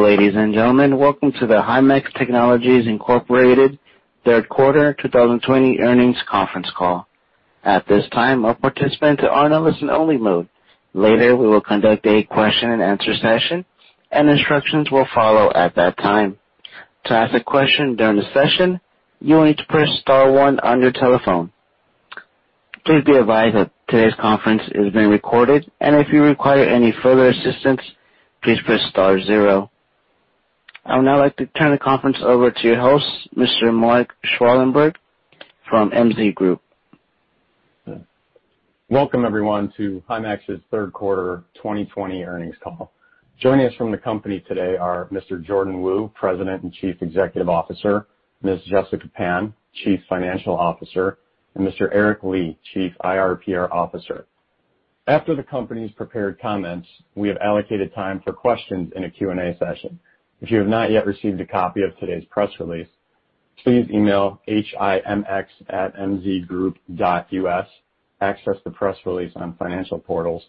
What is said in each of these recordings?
Ladies and gentlemen, welcome to the Himax Technologies, Inc. third quarter 2020 earnings conference call. At this time, all participants are in listen-only mode. Later, we will conduct a question and answer session., and instructions will follow at that time. To ask a question during the session, you will need to press star one on your telephone. Please be advised that today's conference is being recorded. If you require any further assistance, please press star zero. I would now like to turn the conference over to your host, Mr. Mark Schwalenberg from MZ Group. Welcome, everyone, to Himax's third quarter 2020 earnings call. Joining us from the company today are Mr. Jordan Wu, President and Chief Executive Officer, Ms. Jessica Pan, Chief Financial Officer, and Mr. Eric Li, Chief IR/PR Officer. After the company's prepared comments, we have allocated time for questions in a Q&A session. If you have not yet received a copy of today's press release, please email himx@mzgroup.us, access the press release on financial portals,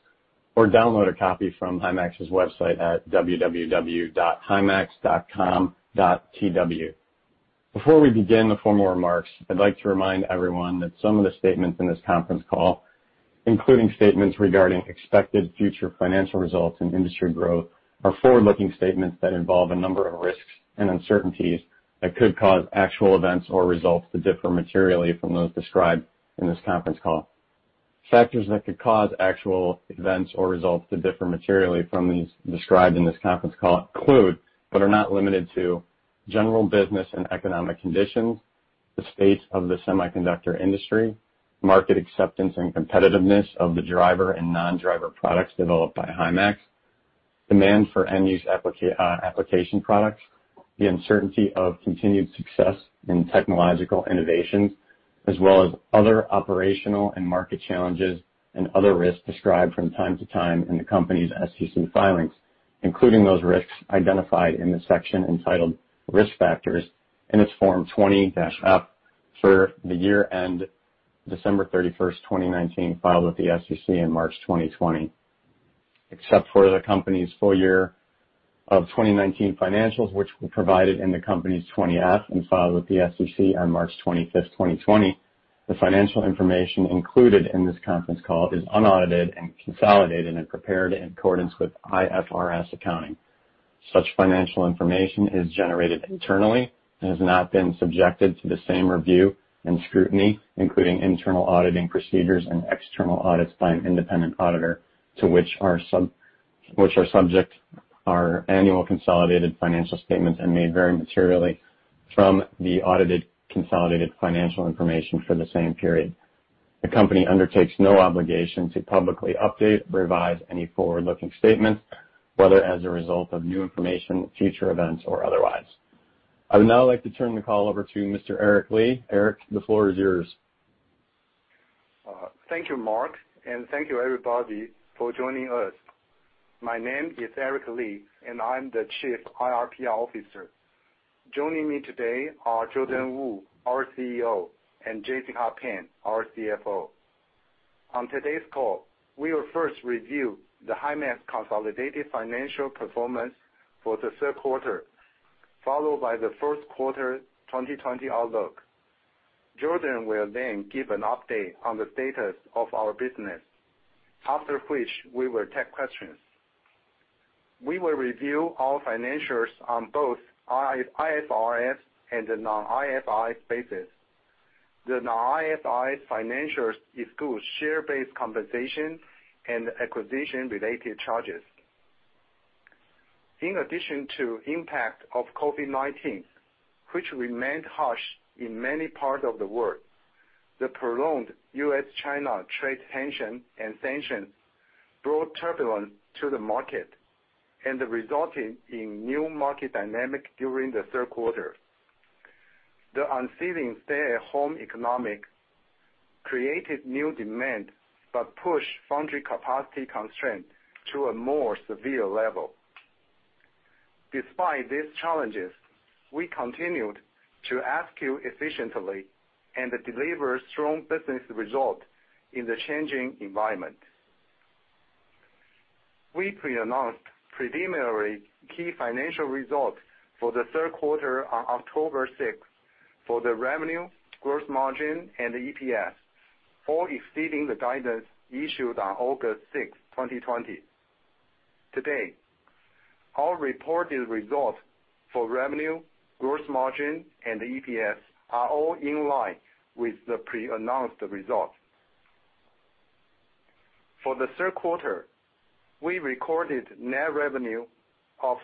or download a copy from Himax's website at www.himax.com.tw. Before we begin the formal remarks, I'd like to remind everyone that some of the statements in this conference call, including statements regarding expected future financial results and industry growth, are forward-looking statements that involve a number of risks and uncertainties that could cause actual events or results to differ materially from those described in this conference call. Factors that could cause actual events or results to differ materially from these described in this conference call include, but are not limited to general business and economic conditions, the state of the semiconductor industry, market acceptance and competitiveness of the driver and non-driver products developed by Himax, demand for end-use application products, the uncertainty of continued success in technological innovations, as well as other operational and market challenges and other risks described from time to time in the company's SEC filings, including those risks identified in the section entitled Risk Factors in its Form 20-F for the year end December 31st, 2019, filed with the SEC in March 2020. Except for the company's full year of 2019 financials, which were provided in the company's 20-F and filed with the SEC on March 25th, 2020. The financial information included in this conference call is unaudited and consolidated and prepared in accordance with IFRS accounting. Such financial information is generated internally and has not been subjected to the same review and scrutiny, including internal auditing procedures and external audits by an independent auditor to which are subject our annual consolidated financial statements and may vary materially from the audited consolidated financial information for the same period. The company undertakes no obligation to publicly update or revise any forward-looking statements, whether as a result of new information, future events, or otherwise. I would now like to turn the call over to Mr. Eric Li. Eric, the floor is yours. Thank you, Mark, and thank you, everybody, for joining us. My name is Eric Li, and I'm the Chief IR/PR Officer. Joining me today are Jordan Wu, our CEO, and Jessica Pan, our CFO. On today's call, we will first review the Himax consolidated financial performance for the third quarter, followed by the fourth quarter 2020 outlook. Jordan will then give an update on the status of our business, after which we will take questions. We will review our financials on both IFRS and the non-IFRS basis. The non-IFRS financials exclude share-based compensation and acquisition-related charges. In addition to impact of COVID-19, which remained harsh in many parts of the world, the prolonged U.S.-China trade tension and sanctions brought turbulence to the market and resulted in new market dynamic during the third quarter. The unceasing stay-at-home economic created new demand but pushed foundry capacity constraints to a more severe level. Despite these challenges, we continued to execute efficiently and deliver strong business results in the changing environment. We pre-announced preliminary key financial results for the third quarter on October 6th for the revenue, gross margin, and EPS, all exceeding the guidance issued on August 6th, 2020. Today, our reported results for revenue, gross margin, and EPS are all in line with the pre-announced results. For the third quarter, we recorded net revenue of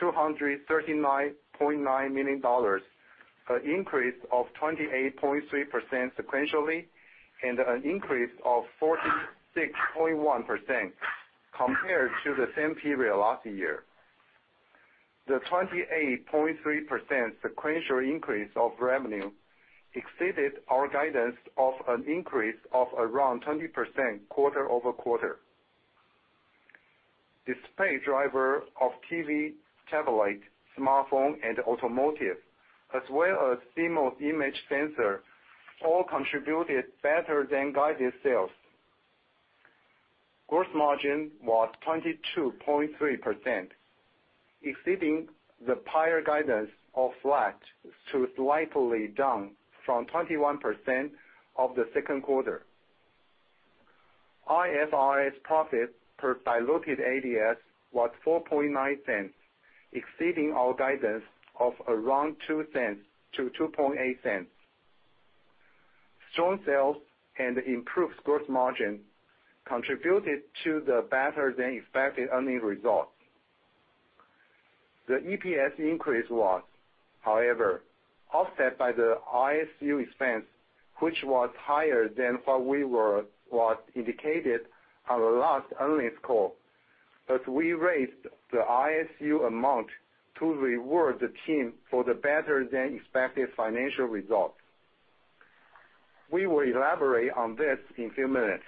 $239.9 million, an increase of 28.3% sequentially, and an increase of 46.1% compared to the same period last year. The 28.3% sequential increase of revenue exceeded our guidance of an increase of around 20% quarter-over-quarter. Display driver of TV, tablet, smartphone, and automotive, as well as CMOS image sensor all contributed better than guided sales. Gross margin was 22.3%, exceeding the prior guidance of flat to slightly down from 21% of the second quarter. IFRS profit per diluted ADS was $0.049, exceeding our guidance of around $0.020-$0.028. Strong sales and improved gross margin contributed to the better-than-expected earnings results. The EPS increase was, however, offset by the RSU expense, which was higher than what we were indicated on the last earnings call. We raised the RSU amount to reward the team for the better-than-expected financial results. We will elaborate on this in a few minutes.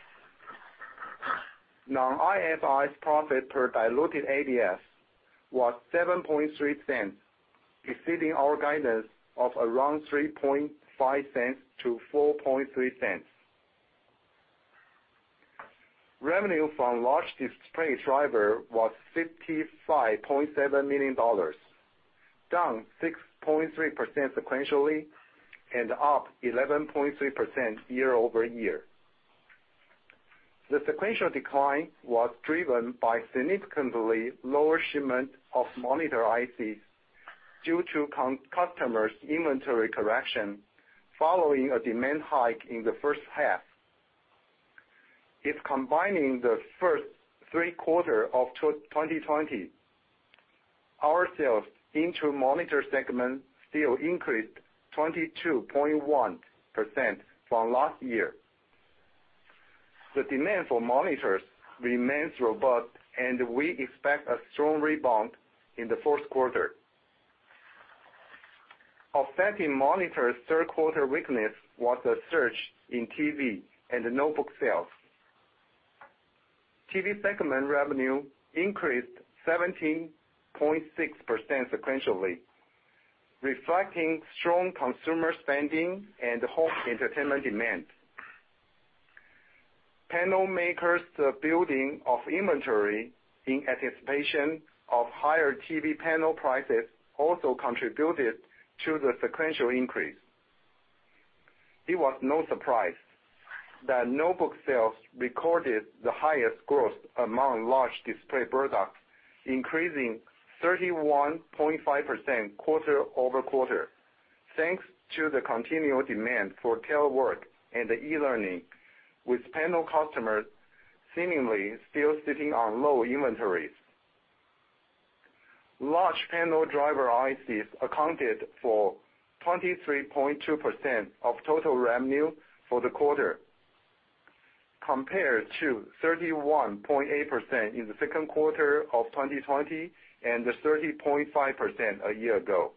Non-IFRS profit per diluted ADS was $0.073, exceeding our guidance of around $0.035-$0.043. Revenue from large display driver was $55.7 million, down 6.3% sequentially and up 11.3% year-over-year. The sequential decline was driven by significantly lower shipment of monitor ICs due to customers' inventory correction following a demand hike in the first half. If combining the first three quarters of 2020, our sales into monitor segment still increased 22.1% from last year. The demand for monitors remains robust, and we expect a strong rebound in the fourth quarter. Offsetting monitor third quarter weakness was a surge in TV and notebook sales. TV segment revenue increased 17.6% sequentially, reflecting strong consumer spending and home entertainment demand. Panel makers building of inventory in anticipation of higher TV panel prices also contributed to the sequential increase. It was no surprise that notebook sales recorded the highest growth among large display products, increasing 31.5% quarter-over-quarter, thanks to the continual demand for telework and e-learning, with panel customers seemingly still sitting on low inventories. Large panel driver ICs accounted for 23.2% of total revenue for the quarter, compared to 31.8% in the second quarter of 2020 and the 30.5% a year ago.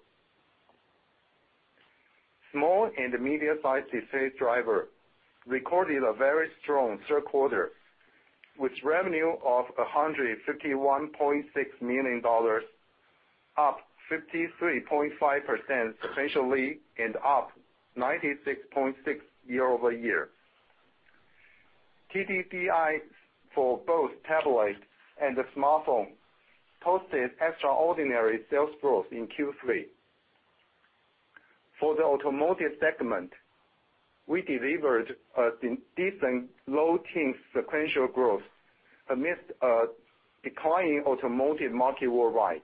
Small and medium-sized display driver recorded a very strong third quarter, with revenue of $151.6 million, up 53.5% sequentially and up 96.6% year-over-year. TDDI for both tablet and smartphone posted extraordinary sales growth in Q3. For the automotive segment, we delivered a decent low-teens sequential growth amidst a declining automotive market worldwide.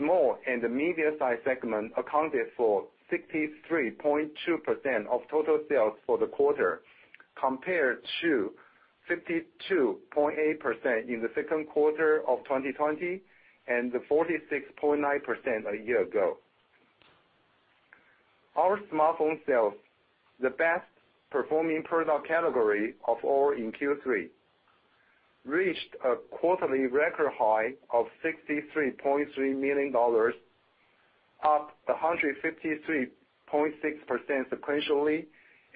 Small and medium-sized segment accounted for 63.2% of total sales for the quarter, compared to 52.8% in the second quarter of 2020 and the 46.9% a year ago. Our smartphone sales, the best performing product category of all in Q3, reached a quarterly record high of $63.3 million, up 153.6% sequentially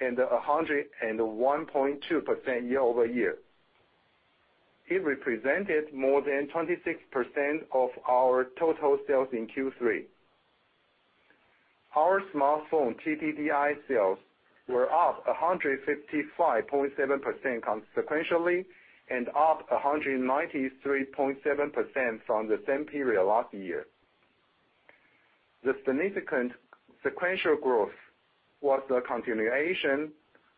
and 101.2% year-over-year. It represented more than 26% of our total sales in Q3. Our smartphone TDDI sales were up 155.7% sequentially and up 193.7% from the same period last year. The significant sequential growth was a continuation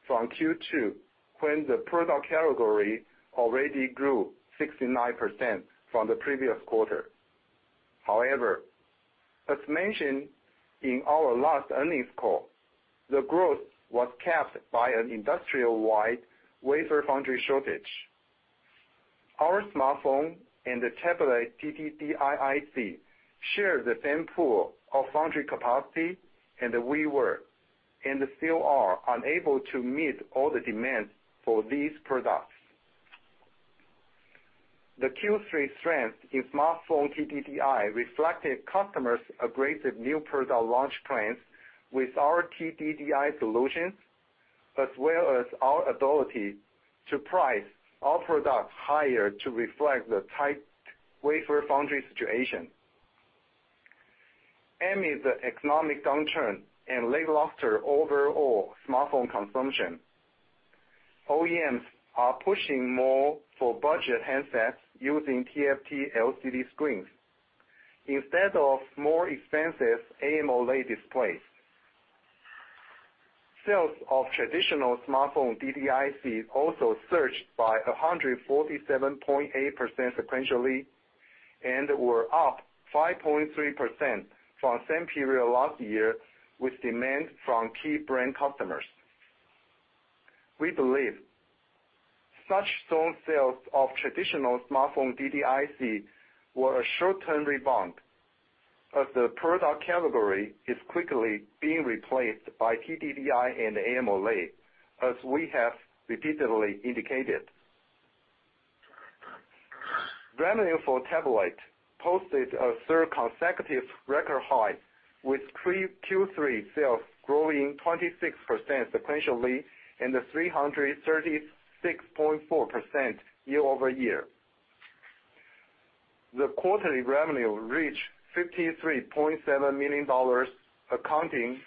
from Q2, when the product category already grew 69% from the previous quarter. However, as mentioned in our last earnings call, the growth was capped by an industry-wide wafer foundry shortage. Our smartphone and the tablet TDDI IC share the same pool of foundry capacity, and we were, and still are, unable to meet all the demand for these products. The Q3 strength in smartphone TDDI reflected customers' aggressive new product launch plans with our TDDI solutions, as well as our ability to price our products higher to reflect the tight wafer foundry situation. Amid the economic downturn and lackluster overall smartphone consumption, OEMs are pushing more for budget handsets using TFT LCD screens instead of more expensive AMOLED displays. Sales of traditional smartphone DDIC also surged by 147.8% sequentially, and were up 5.3% from same period last year with demand from key brand customers. We believe such strong sales of traditional smartphone DDIC were a short-term rebound, as the product category is quickly being replaced by TDDI and AMOLED, as we have repeatedly indicated. Revenue for tablet posted a third consecutive record high, with Q3 sales growing 26% sequentially and 336.4% year-over-year. The quarterly revenue reached $53.7 million, accounting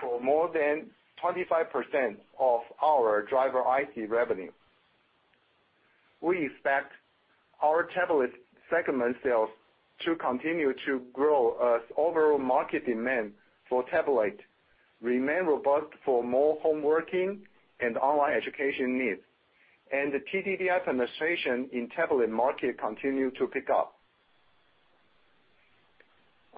for more than 25% of our driver IC revenue. We expect our tablet segment sales to continue to grow as overall market demand for tablet remain robust for more home working and online education needs. The TDDI penetration in tablet market continue to pick up.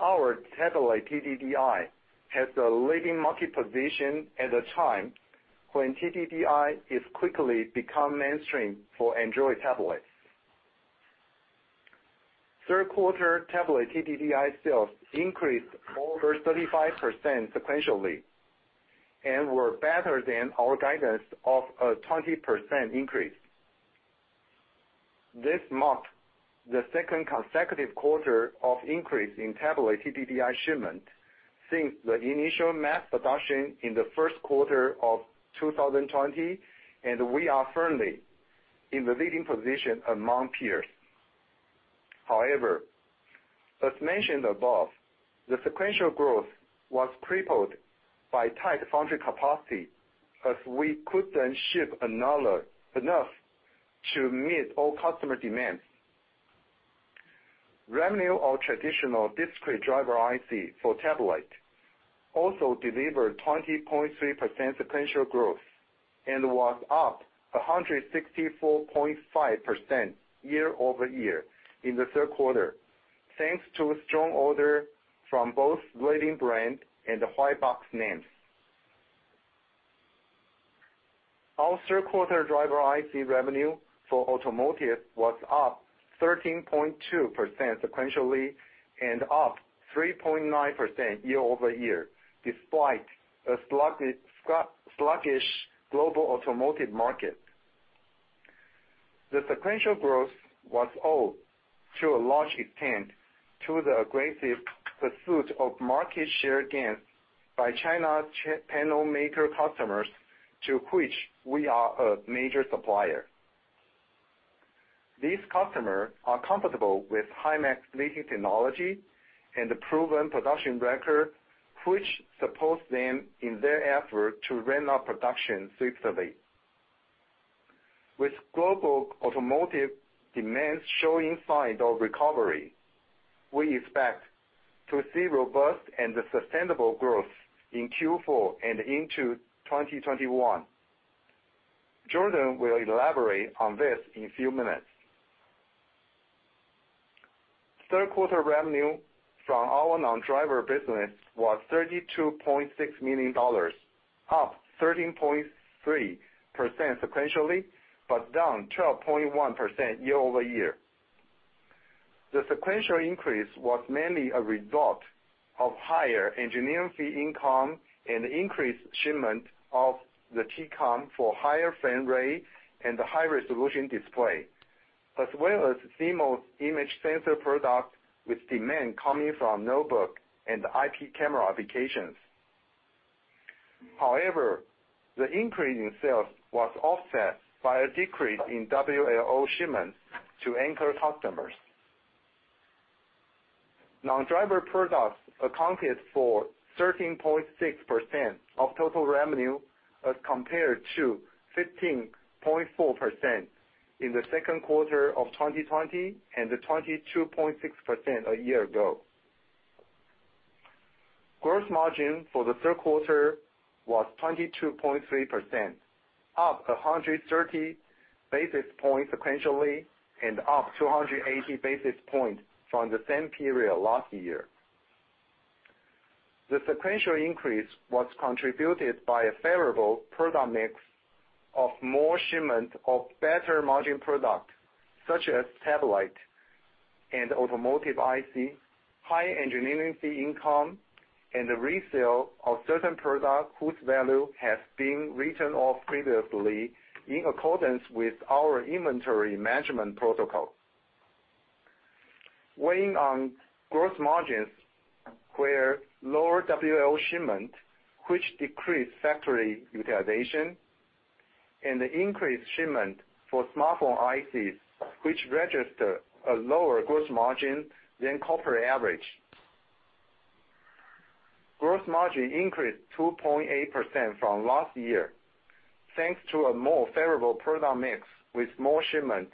Our tablet TDDI has the leading market position at a time when TDDI is quickly become mainstream for Android tablets. Third quarter tablet TDDI sales increased over 35% sequentially and were better than our guidance of a 20% increase. This marked the second consecutive quarter of increase in tablet TDDI shipment since the initial mass production in the first quarter of 2020, and we are firmly in the leading position among peers. However, as mentioned above, the sequential growth was crippled by tight foundry capacity, as we couldn't ship enough to meet all customer demands. Revenue of traditional discrete driver IC for tablet also delivered 20.3% sequential growth, and was up 164.5% year-over-year in the third quarter, thanks to strong order from both leading brand and white box names. Our third quarter driver IC revenue for automotive was up 13.2% sequentially and up 3.9% year-over-year, despite a sluggish global automotive market. The sequential growth was owed to a large extent to the aggressive pursuit of market share gains by China panel maker customers, to which we are a major supplier. These customers are comfortable with Himax leading technology and the proven production record, which supports them in their effort to ramp up production swiftly. With global automotive demands showing signs of recovery, we expect to see robust and sustainable growth in Q4 and into 2021. Jordan will elaborate on this in a few minutes. Third quarter revenue from our non-driver business was $32.6 million, up 13.3% sequentially, but down 12.1% year-over-year. The sequential increase was mainly a result of higher engineering fee income and increased shipment of the T-Con for higher frame rate and high-resolution display, as well as CMOS image sensor product with demand coming from notebook and IP camera applications. However, the increase in sales was offset by a decrease in WLO shipments to anchor customers. Non-driver products accounted for 13.6% of total revenue as compared to 15.4% in the second quarter of 2020, and to 22.6% a year ago. Gross margin for the third quarter was 22.3%, up 130 basis points sequentially, and up 280 basis points from the same period last year. The sequential increase was contributed by a favorable product mix of more shipments of better margin products, such as tablet and automotive IC, high engineering fee income, and the resale of certain products whose value has been written off previously in accordance with our inventory management protocol. Weighing on gross margins were lower WLO shipment, which decreased factory utilization and the increased shipment for smartphone ICs, which registered a lower gross margin than corporate average. Gross margin increased 2.8% from last year, thanks to a more favorable product mix with more shipment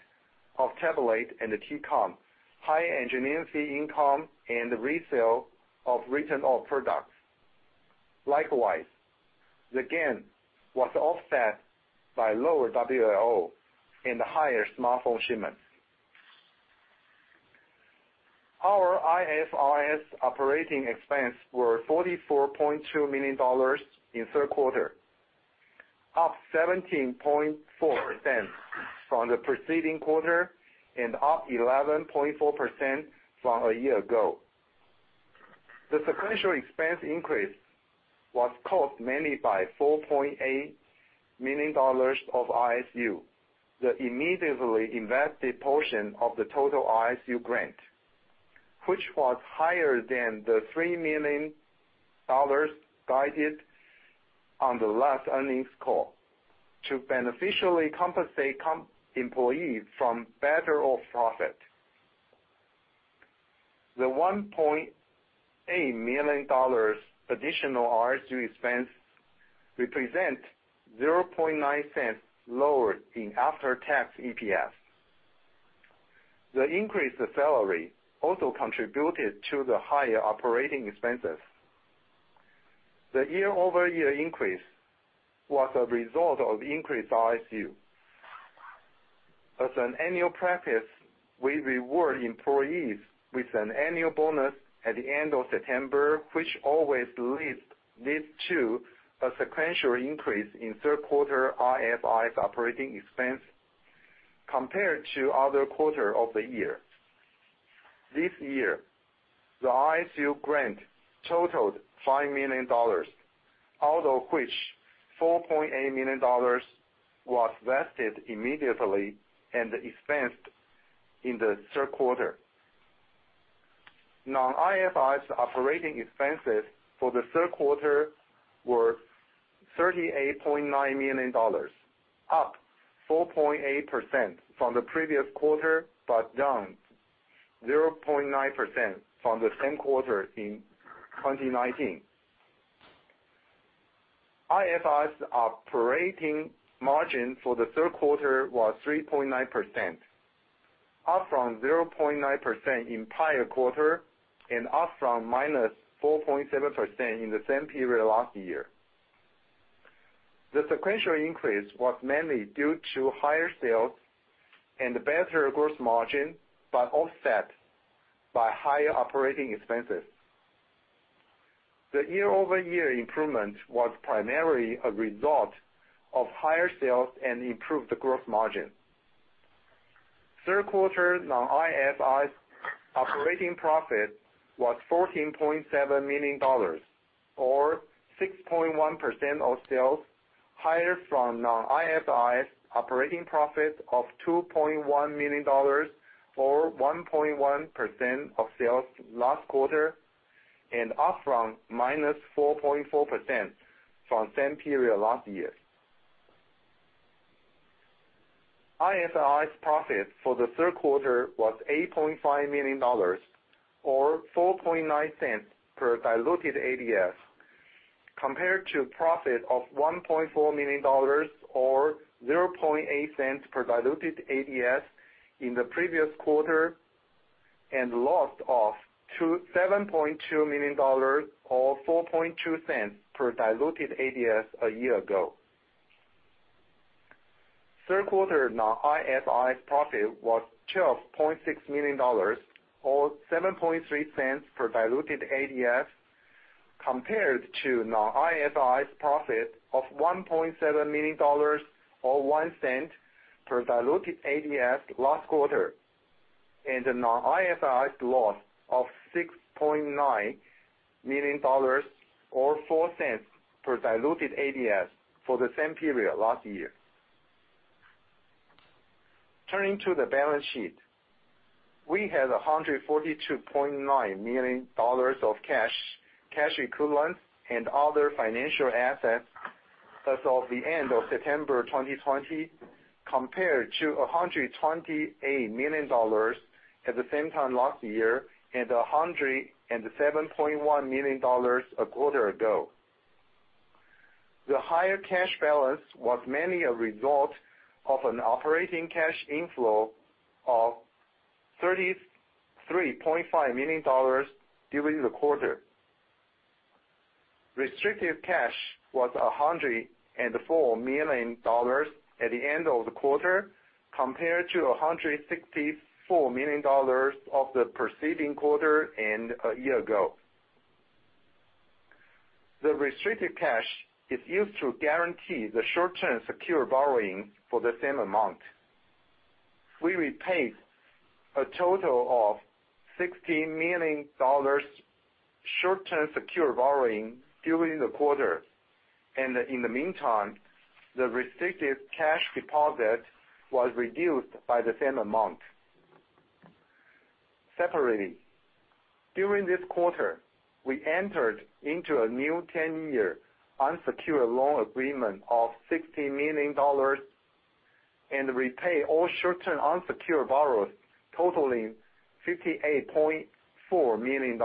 of tablet and T-Con, high engineering fee income, and the resale of written-off products. Likewise, the gain was offset by lower WLO and higher smartphone shipments. Our IFRS operating expense were $44.2 million in the third quarter, up 17.4% from the preceding quarter and up 11.4% from a year ago. The sequential expense increase was caused mainly by $4.8 million of RSU, the immediately invested portion of the total RSU grant, which was higher than the $3 million guided on the last earnings call to beneficially compensate employees from [better than expected] profit. The $1.8 million additional RSU expense represents $0.009 lower in after-tax EPS. The increased salary also contributed to the higher operating expenses. The year-over-year increase was a result of increased RSU. As an annual practice, we reward employees with an annual bonus at the end of September, which always leads to a sequential increase in third-quarter IFRS operating expense compared to other quarters of the year. This year, the RSU grant totaled $5 million, out of which $4.8 million was vested immediately and expensed in the third quarter. Non-IFRS operating expenses for the third quarter were $38.9 million, up 4.8% from the previous quarter, but down 0.9% from the same quarter in 2019. IFRS operating margin for the third quarter was 3.9%, up from 0.9% in prior quarter and up from -4.7% in the same period last year. The sequential increase was mainly due to higher sales and better gross margin, but offset by higher operating expenses. The year-over-year improvement was primarily a result of higher sales and improved gross margin. Third quarter non-IFRS operating profit was $14.7 million, or 6.1% of sales, higher from non-IFRS operating profit of $2.1 million, or 1.1% of sales last quarter, and up from -4.4% from same period last year. IFRS profit for the third quarter was $8.5 million, or $0.049 per diluted ADS, compared to profit of $1.4 million or $0.008 per diluted ADS in the previous quarter, and loss of $7.2 million or $0.042 per diluted ADS a year ago. Third quarter non-IFRS profit was $12.6 million or $0.073 per diluted ADS, compared to non-IFRS profit of $1.7 million or $0.01 per diluted ADS last quarter, and a non-IFRS loss of $6.9 million or $0.04 per diluted ADS for the same period last year. Turning to the balance sheet. We had $142.9 million of cash, cash equivalents, and other financial assets as of the end of September 2020, compared to $128 million at the same time last year and $107.1 million a quarter ago. The higher cash balance was mainly a result of an operating cash inflow of $33.5 million during the quarter. Restricted cash was $104 million at the end of the quarter, compared to $164 million of the preceding quarter and a year ago. The restricted cash is used to guarantee the short-term secured borrowing for the same amount. We repaid a total of $16 million short-term secured borrowing during the quarter. In the meantime, the restricted cash deposit was reduced by the same amount. Separately, during this quarter, we entered into a new 10-year unsecured loan agreement of $60 million and repay all short-term unsecured borrowings totaling $58.4 million.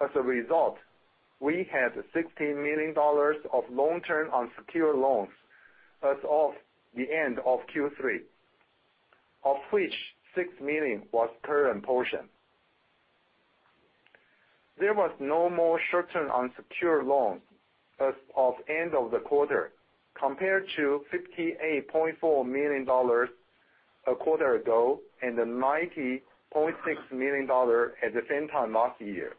As a result, we had $60 million of long-term unsecured loans as of the end of Q3, of which $6 million was current portion. There was no more short-term unsecured loan as of end of the quarter compared to $58.4 million a quarter ago and $90.6 million at the same time last year.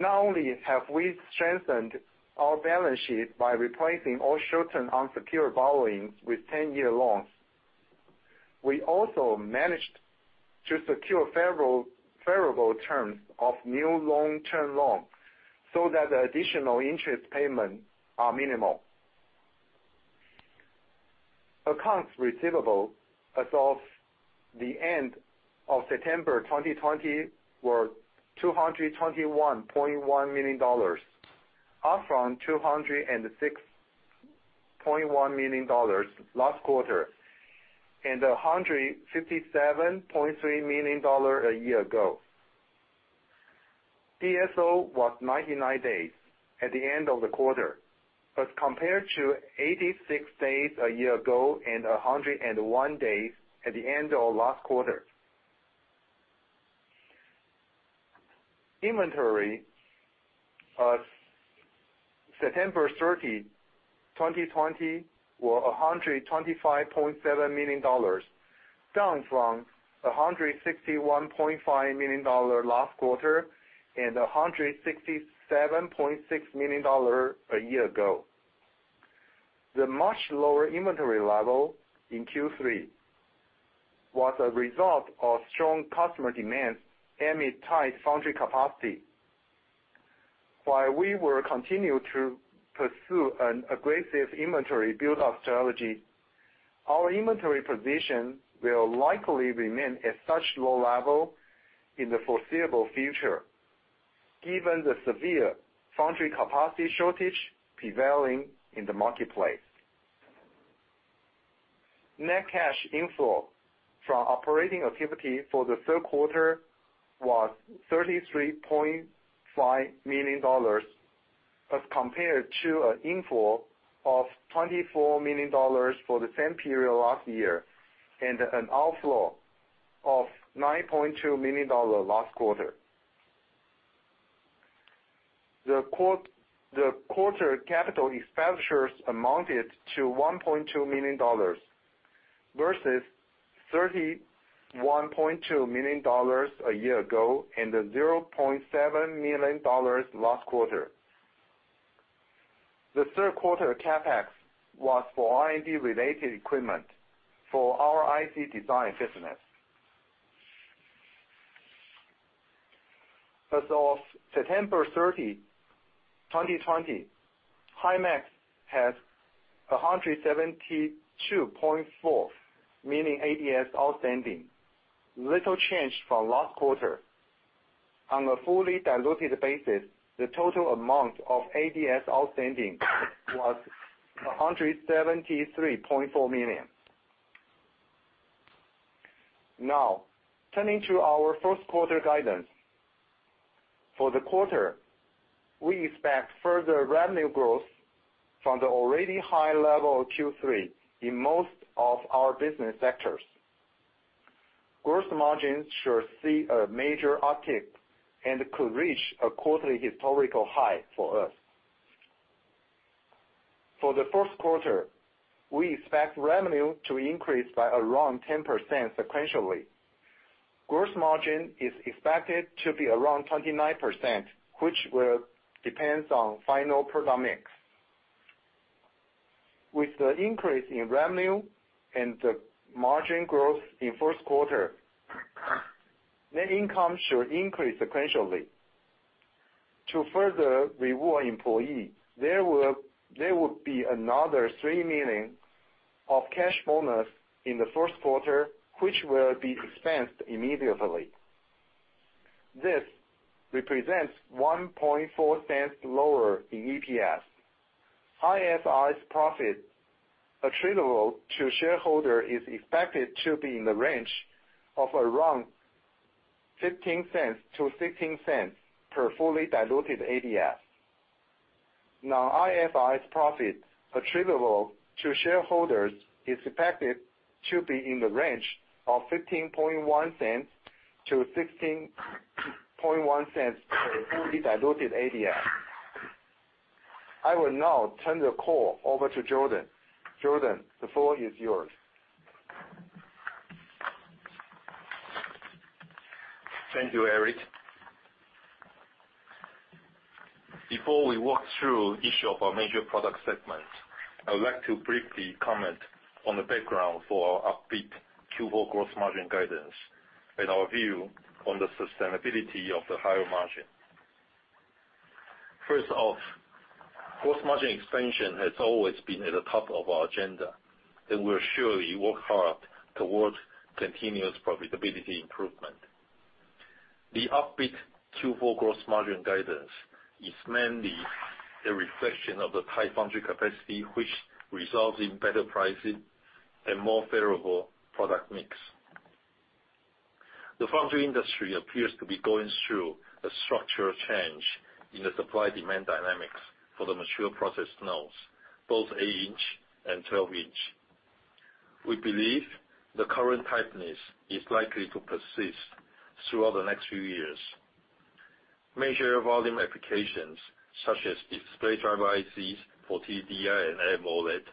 Not only have we strengthened our balance sheet by replacing all short-term unsecured borrowings with 10-year loans, we also managed to secure favorable terms of new long-term loans so that the additional interest payments are minimal. Accounts receivable as of the end of September 2020 were $221.1 million, up from $206.1 million last quarter, and $157.3 million a year ago. DSO was 99 days at the end of the quarter as compared to 86 days a year ago and 101 days at the end of last quarter. Inventory as September 30, 2020, were $125.7 million, down from $161.5 million last quarter and $167.6 million a year ago. The much lower inventory level in Q3 was a result of strong customer demand amid tight foundry capacity. While we will continue to pursue an aggressive inventory build-up strategy, our inventory position will likely remain at such low level in the foreseeable future given the severe foundry capacity shortage prevailing in the marketplace. Net cash inflow from operating activity for the third quarter was $33.5 million as compared to an inflow of $24 million for the same period last year and an outflow of $9.2 million last quarter. The quarter capital expenditures amounted to $1.2 million versus $31.2 million a year ago and $0.7 million last quarter. The third quarter CapEx was for R&D-related equipment for our IC design business. As of September 30, 2020, Himax has 172.4 million ADS outstanding, little change from last quarter. On a fully diluted basis, the total amount of ADS outstanding was 173.4 million. Now, turning to our fourth quarter guidance. For the quarter, we expect further revenue growth from the already high level of Q3 in most of our business sectors. Gross margins should see a major uptick and could reach a quarterly historical high for us. For the fourth quarter, we expect revenue to increase by around 10% sequentially. Gross margin is expected to be around 29%, which will depends on final product mix. With the increase in revenue and the margin growth in first quarter, net income should increase sequentially. To further reward employee, there will be another $3 million of cash bonus in the first quarter, which will be expensed immediately. This represents $0.014 lower in EPS. IFRS profit attributable to shareholders is expected to be in the range of around $0.15-$0.16 per fully diluted ADS. non-IFRS profit attributable to shareholders is expected to be in the range of $0.151-$0.161 per fully diluted ADS. I will now turn the call over to Jordan. Jordan, the floor is yours. Thank you, Eric. Before we walk through each of our major product segments, I would like to briefly comment on the background for our upbeat Q4 gross margin guidance and our view on the sustainability of the higher margin. First off, gross margin expansion has always been at the top of our agenda, and we surely work hard towards continuous profitability improvement. The upbeat Q4 gross margin guidance is mainly a reflection of the tight foundry capacity, which results in better pricing and more favorable product mix. The foundry industry appears to be going through a structural change in the supply-demand dynamics for the mature process nodes, both 8-inch and 12-inch. We believe the current tightness is likely to persist throughout the next few years. Major volume applications such as display driver ICs for TDDI and AMOLED,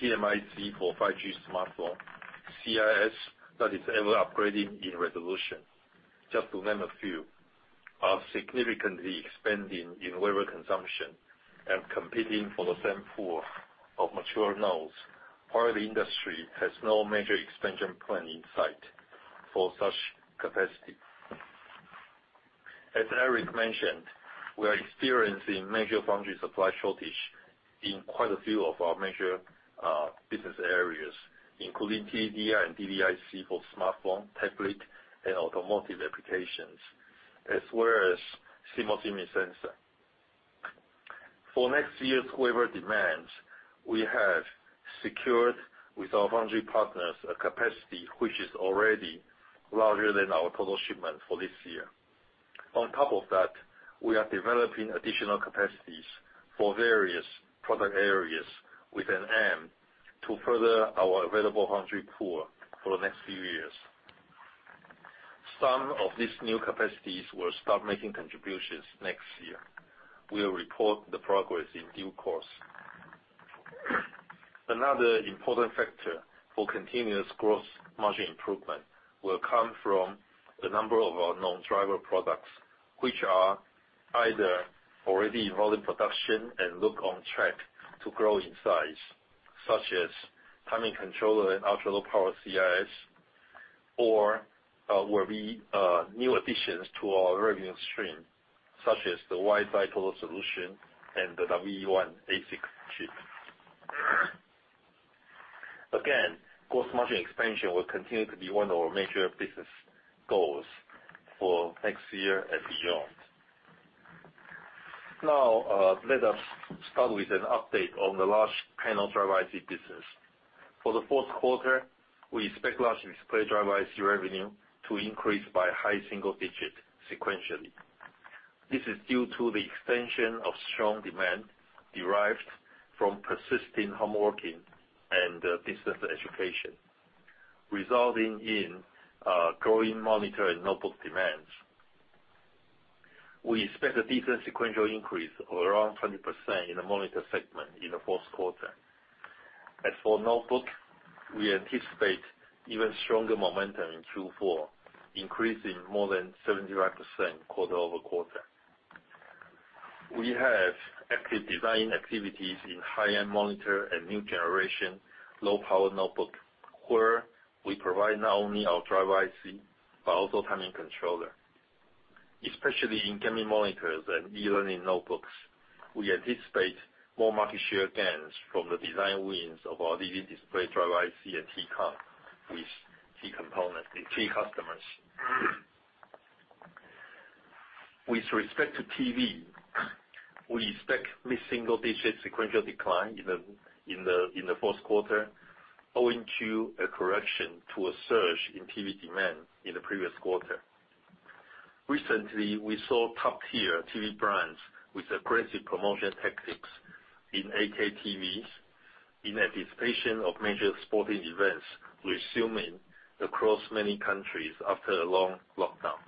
PMIC for 5G smartphone, CIS that is ever upgrading in resolution, just to name a few, are significantly expanding in wafer consumption and competing for the same pool of mature nodes. Part of the industry has no major expansion plan in sight for such capacity. As Eric mentioned, we are experiencing major foundry supply shortage in quite a few of our major business areas, including TDDI and DDIC for smartphone, tablet, and automotive applications, as well as CMOS image sensor. For next year's wafer demands, we have secured with our foundry partners a capacity which is already larger than our total shipment for this year. On top of that, we are developing additional capacities for various product areas with an aim to further our available foundry pool for the next few years. Some of these new capacities will start making contributions next year. We'll report the progress in due course. Another important factor for continuous gross margin improvement will come from the number of our non-driver products, which are either already in volume production and look on track to grow in size, such as timing controller and ultra-low power CIS, or will be new additions to our revenue stream, such as the WiseEye total solution and the WE-I ASIC chip. Gross margin expansion will continue to be one of our major business goals for next year and beyond. Let us start with an update on the large panel driver IC business. For the fourth quarter, we expect large display driver IC revenue to increase by high single digits sequentially. This is due to the extension of strong demand derived from persisting home working and distance education, resulting in growing monitor and notebook demands. We expect a decent sequential increase of around 20% in the monitor segment in the fourth quarter. As for notebook, we anticipate even stronger momentum in Q4, increasing more than 75% quarter-over-quarter. We have active design activities in high-end monitor and new generation low-power notebook, where we provide not only our driver IC, but also timing controller. Especially in gaming monitors and e-learning notebooks, we anticipate more market share gains from the design wins of our DDIC and T-Con with key customers. With respect to TV, we expect mid-single digit sequential decline in the fourth quarter, owing to a correction to a surge in TV demand in the previous quarter. Recently, we saw top-tier TV brands with aggressive promotion tactics in 8K TVs in anticipation of major sporting events resuming across many countries after a long lockdown.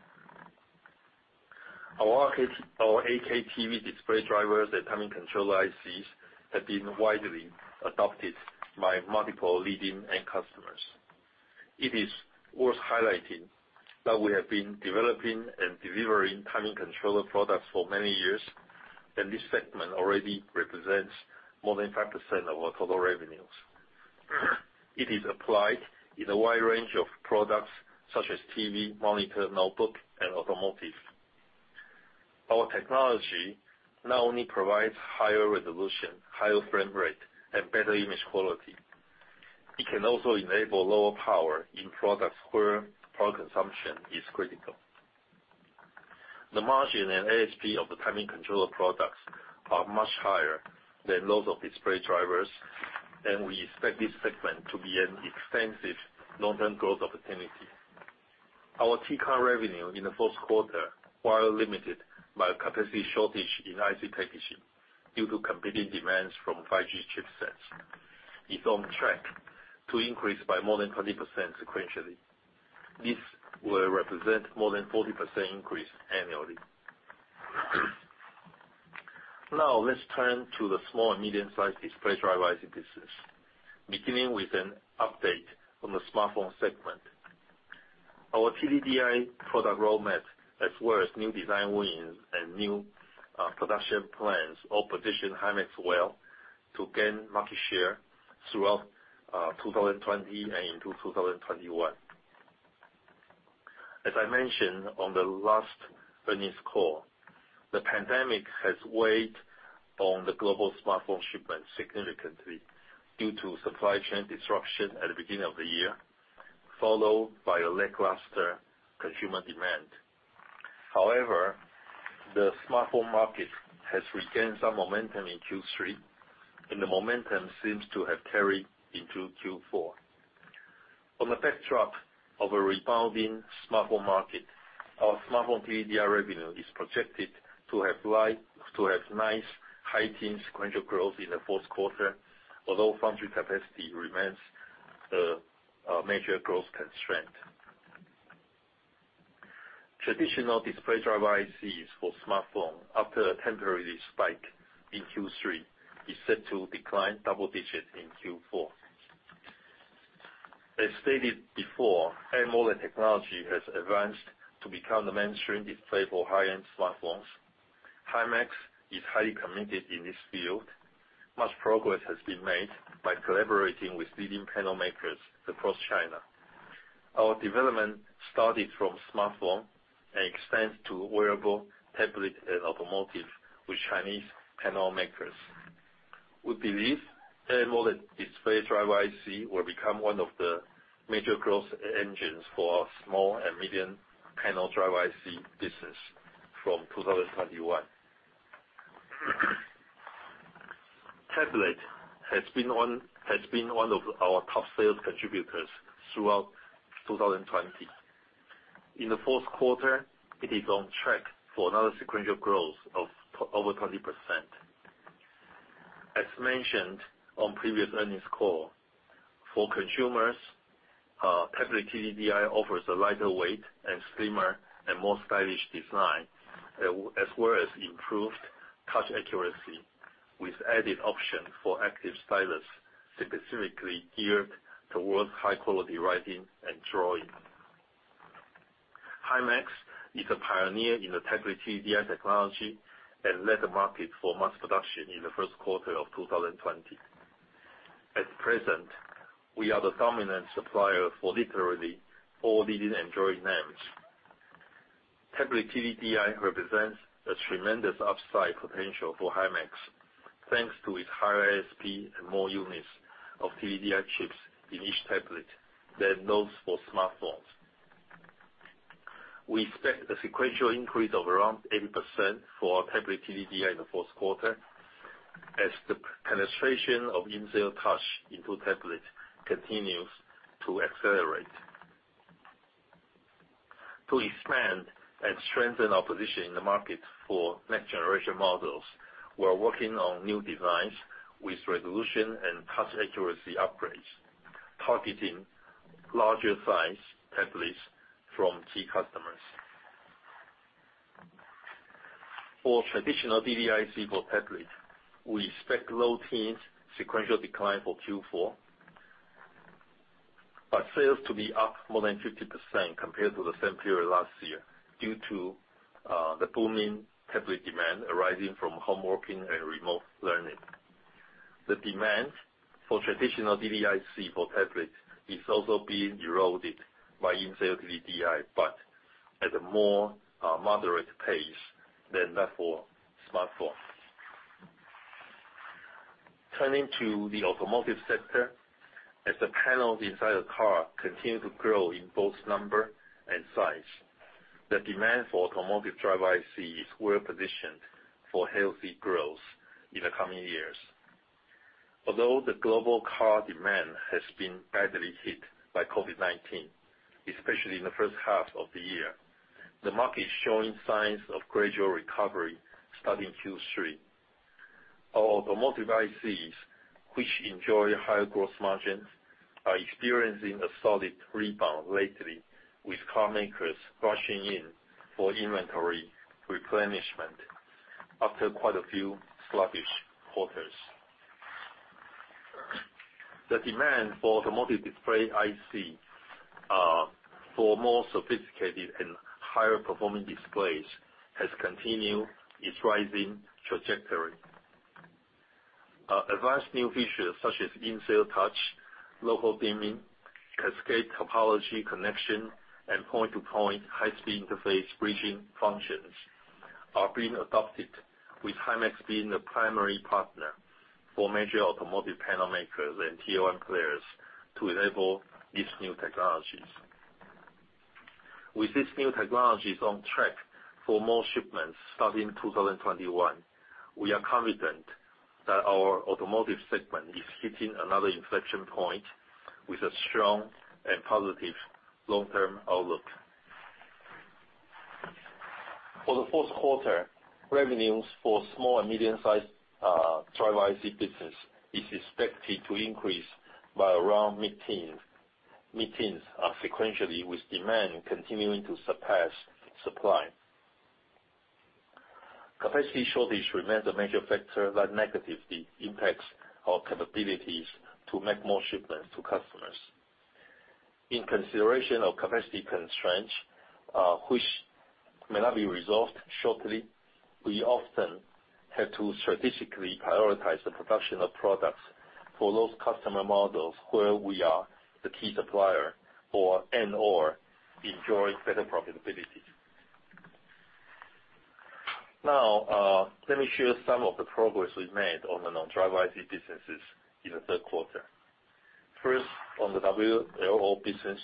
Our 8K TV display drivers and timing controller ICs have been widely adopted by multiple leading end customers. It is worth highlighting that we have been developing and delivering timing controller products for many years, and this segment already represents more than 5% of our total revenues. It is applied in a wide range of products such as TV, monitor, notebook, and automotive. Our technology not only provides higher resolution, higher frame rate, and better image quality, it can also enable lower power in products where power consumption is critical. The margin and ASP of the timing controller products are much higher than those of display drivers, and we expect this segment to be an extensive long-term growth opportunity. Our T-Con revenue in the fourth quarter, while limited by capacity shortage in IC packaging due to competing demands from 5G chipsets, is on track to increase by more than 20% sequentially. This will represent more than 40% increase annually. Let's turn to the small and medium-sized display driver IC business, beginning with an update on the smartphone segment. Our TDDI product roadmap, as well as new design wins and new production plans, all position Himax well to gain market share throughout 2020 and into 2021. As I mentioned on the last earnings call, the pandemic has weighed on the global smartphone shipments significantly due to supply chain disruption at the beginning of the year, followed by a lackluster consumer demand. However, the smartphone market has regained some momentum in Q3, and the momentum seems to have carried into Q4. On the back track of a rebounding smartphone market, our smartphone TDDI revenue is projected to have nice high-teens sequential growth in the fourth quarter, although foundry capacity remains a major growth constraint. Traditional display driver ICs for smartphone, after a temporary spike in Q3, is set to decline double digits in Q4. As stated before, AMOLED technology has advanced to become the mainstream display for high-end smartphones. Himax is highly committed in this field. Much progress has been made by collaborating with leading panel makers across China. Our development started from smartphone and extends to wearable tablet and automotive with Chinese panel makers. We believe AMOLED display driver IC will become one of the major growth engines for our small and medium panel driver IC business from 2021. Tablet has been one of our top sales contributors throughout 2020. In the fourth quarter, it is on track for another sequential growth of over 20%. As mentioned on previous earnings call, for consumers, tablet TDDI offers a lighter weight and slimmer and more stylish design, as well as improved touch accuracy with added option for active stylus, specifically geared towards high-quality writing and drawing. Himax is a pioneer in the tablet TDDI technology and led the market for mass production in the first quarter of 2020. At present, we are the dominant supplier for literally all leading Android names. Tablet TDDI represents a tremendous upside potential for Himax, thanks to its higher ASP and more units of TDDI chips in each tablet than those for smartphones. We expect a sequential increase of around 80% for our tablet TDDI in the fourth quarter as the penetration of in-cell touch into tablet continues to accelerate. To expand and strengthen our position in the market for next generation models, we're working on new designs with resolution and touch accuracy upgrades, targeting larger size tablets from key customers. For traditional DDIC for tablet, we expect low teens sequential decline for Q4. Sales to be up more than 50% compared to the same period last year due to the booming tablet demand arising from home working and remote learning. The demand for traditional DDIC for tablet is also being eroded by in-cell TDDI, but at a more moderate pace than that for smartphones. Turning to the automotive sector. As the panels inside the car continue to grow in both number and size, the demand for automotive driver ICs were positioned for healthy growth in the coming years. Although the global car demand has been badly hit by COVID-19, especially in the first half of the year, the market is showing signs of gradual recovery starting Q3. Our automotive ICs, which enjoy higher gross margins, are experiencing a solid rebound lately, with car makers rushing in for inventory replenishment after quite a few sluggish quarters. The demand for automotive display IC for more sophisticated and higher performing displays has continued its rising trajectory. Advanced new features such as in-cell touch, local dimming, cascade topology connection, and point-to-point high-speed interface bridging functions are being adopted, with Himax being the primary partner for major automotive panel makers and Tier 1s players to enable these new technologies. With these new technologies on track for more shipments starting 2021, we are confident that our automotive segment is hitting another inflection point with a strong and positive long-term outlook. For the fourth quarter, revenues for small and medium-sized driver IC business is expected to increase by around mid-teens sequentially, with demand continuing to surpass supply. Capacity shortage remains a major factor that negatively impacts our capabilities to make more shipments to customers. In consideration of capacity constraints, which may not be resolved shortly, we often have to strategically prioritize the production of products for those customer models where we are the key supplier for and/or enjoy better profitability. Let me share some of the progress we've made on the non-driver IC businesses in the third quarter. On the WLO business.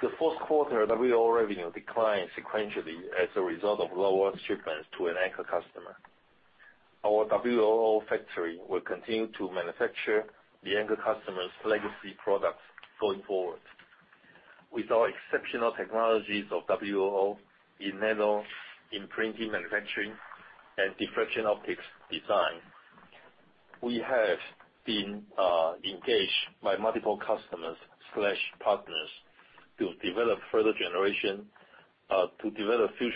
The fourth quarter WLO revenue declined sequentially as a result of lower shipments to an anchor customer. Our WLO factory will continue to manufacture the anchor customer's legacy products going forward. With our exceptional technologies of WLO in metal, in printing, manufacturing, and diffraction optics design, we have been engaged by multiple customers/partners to develop future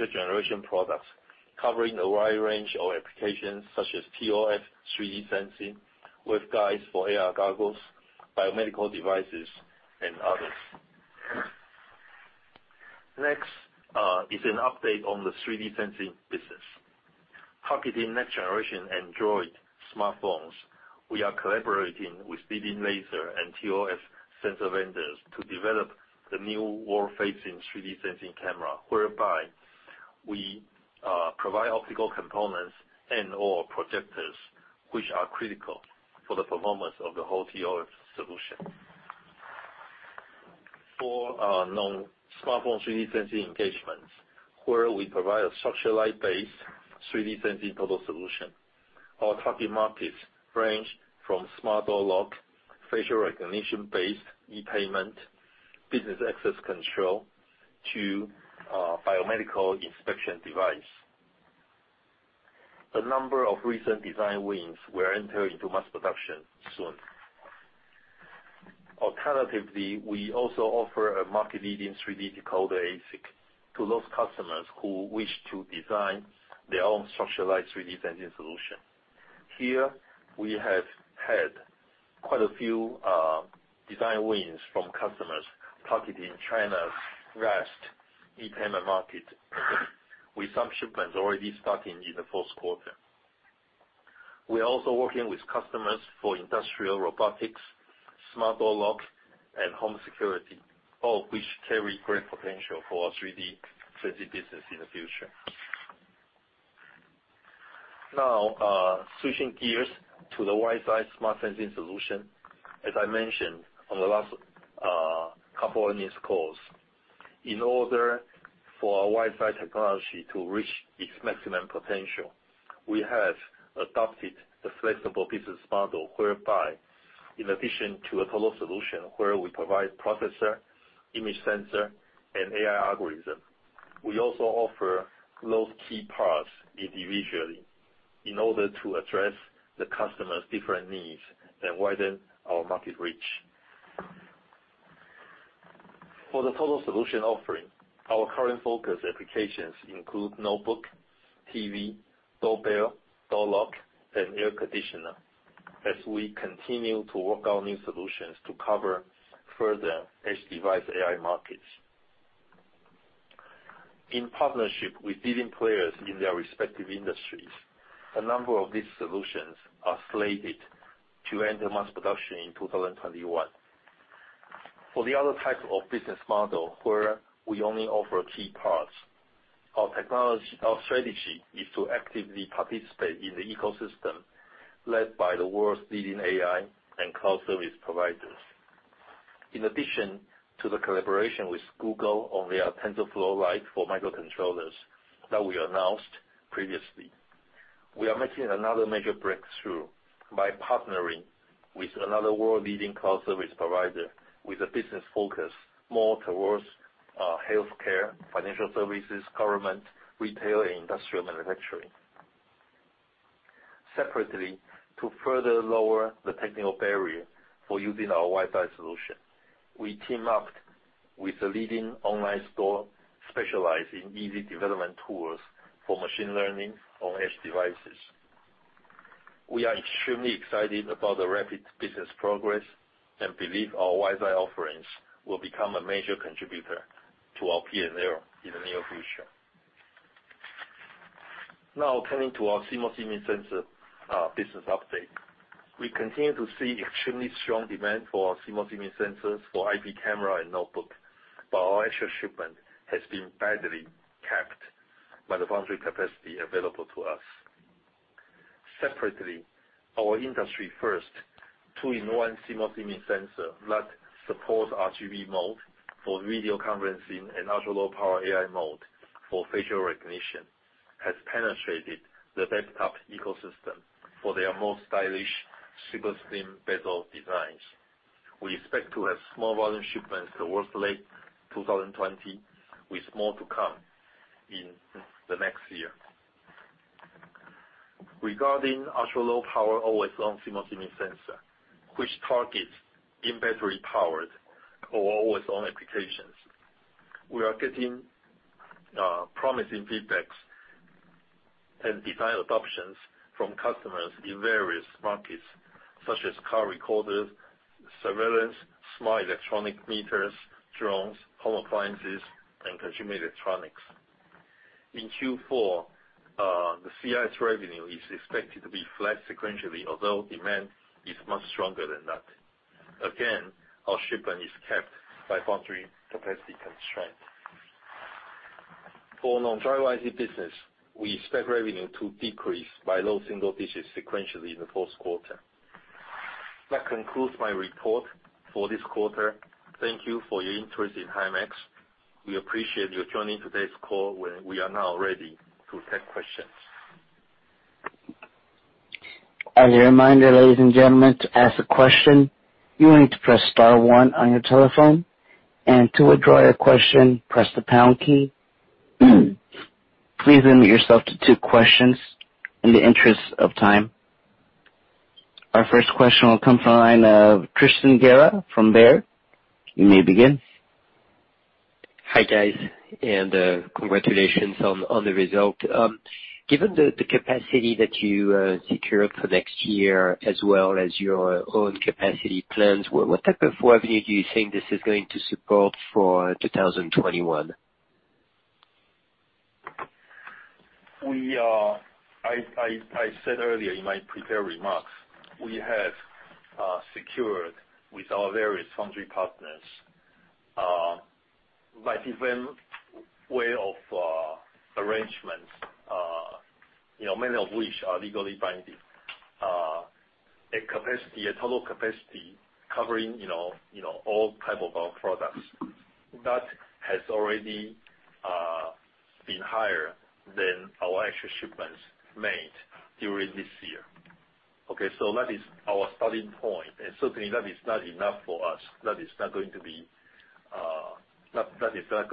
generation products covering a wide range of applications such as ToF 3D sensing, waveguides for AR goggles, biomedical devices, and others. Next is an update on the 3D sensing business. Targeting next generation Android smartphones, we are collaborating with leading laser and ToF sensor vendors to develop the new world-facing 3D sensing camera, whereby we provide optical components and/or projectors which are critical for the performance of the whole ToF solution. For our non-smartphone 3D sensing engagements, where we provide a structured light-based 3D sensing total solution. Our target markets range from smart door lock, facial recognition-based e-payment, business access control, to biomedical inspection device. A number of recent design wins will enter into mass production soon. Alternatively, we also offer a market-leading 3D decoder ASIC to those customers who wish to design their own structured light 3D sensing solution. Here, we have had quite a few design wins from customers targeting China's vast e-payment market, with some shipments already starting in the fourth quarter. We are also working with customers for industrial robotics, smart door lock, and home security, all which carry great potential for our 3D sensing business in the future. Now, switching gears to the WiseEye smart sensing solution. As I mentioned on the last couple earnings calls, in order for our WiseEye technology to reach its maximum potential, we have adopted the flexible business model, whereby in addition to a total solution where we provide processor, image sensor, and AI algorithm, we also offer those key parts individually in order to address the customers' different needs and widen our market reach. For the total solution offering, our current focus applications include notebook, TV, doorbell, door lock, and air conditioner, as we continue to work on new solutions to cover further edge device AI markets. In partnership with leading players in their respective industries, a number of these solutions are slated to enter mass production in 2021. For the other types of business model where we only offer key parts, our strategy is to actively participate in the ecosystem led by the world's leading AI and cloud service providers. In addition to the collaboration with Google on their TensorFlow Lite for microcontrollers that we announced previously, we are making another major breakthrough by partnering with another world-leading cloud service provider with a business focus more towards healthcare, financial services, government, retail, and industrial manufacturing. Separately, to further lower the technical barrier for using our WiseEye solution, we team up with a leading online store specialized in easy development tools for machine learning on edge devices. We are extremely excited about the rapid business progress and believe our WiseEye offerings will become a major contributor to our P&L in the near future. Now, turning to our CMOS Image Sensor business update. We continue to see extremely strong demand for our CMOS image sensors for IP camera and notebook, but our actual shipment has been badly capped by the foundry capacity available to us. Separately, our industry first 2-in-1 CMOS image sensor that supports RGB mode for video conferencing and ultra-low power AI mode for facial recognition, has penetrated the laptop ecosystem for their most stylish super-slim bezel designs. We expect to have small volume shipments towards late 2020, with more to come in the next year. Regarding ultra-low power always-on CMOS image sensor, which targets in-battery powered or always-on applications. We are getting promising feedbacks and design adoptions from customers in various markets, such as car recorders, surveillance, smart electronic meters, drones, home appliances, and consumer electronics. In Q4, the CIS revenue is expected to be flat sequentially, although demand is much stronger than that. Again, our shipment is capped by foundry capacity constraints. For non-DDIC business, we expect revenue to decrease by low single digits sequentially in the fourth quarter. That concludes my report for this quarter. Thank you for your interest in Himax. We appreciate you joining today's call. We are now ready to take questions. As a reminder, ladies and gentlemen, to ask a question, you will need to press star one on your telephone, and to withdraw your question, press the pound key. Please limit yourself to two questions in the interest of time. Our first question will come from the line of Tristan Gerra from Baird. You may begin. Hi, guys, and congratulations on the result. Given the capacity that you secured for next year as well as your own capacity plans, what type of revenue do you think this is going to support for 2021? I said earlier in my prepared remarks, we have secured with our various foundry partners, by different way of arrangements, many of which are legally binding. A total capacity covering all type of our products. That has already been higher than our actual shipments made during this year. Okay. That is our starting point. Certainly, that is not enough for us. That is not going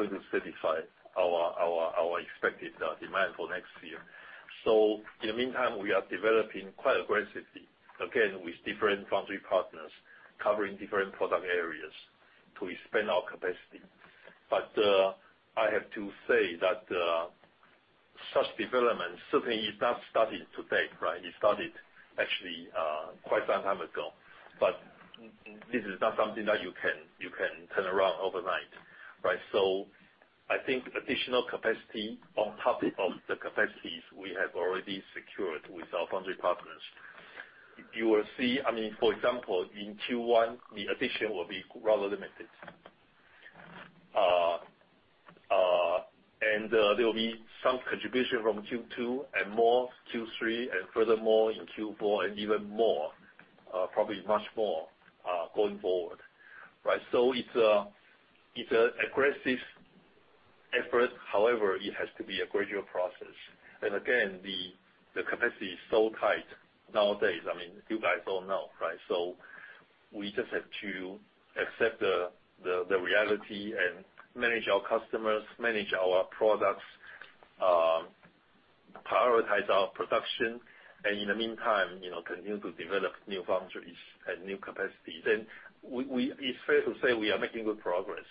to satisfy our expected demand for next year. In the meantime, we are developing quite aggressively, again, with different foundry partners, covering different product areas to expand our capacity. I have to say that such development certainly is not starting today, right. It started actually quite some time ago. This is not something that you can turn around overnight, right. I think additional capacity on top of the capacities we have already secured with our foundry partners. You will see, for example, in Q1, the addition will be rather limited. There will be some contribution from Q2 and more Q3, and furthermore in Q4, and even more, probably much more, going forward. Right? It's an aggressive effort. However, it has to be a gradual process. Again, the capacity is so tight nowadays. You guys all know, right? We just have to accept the reality and manage our customers, manage our products, prioritize our production, and in the meantime continue to develop new foundries and new capacities. It's fair to say we are making good progress.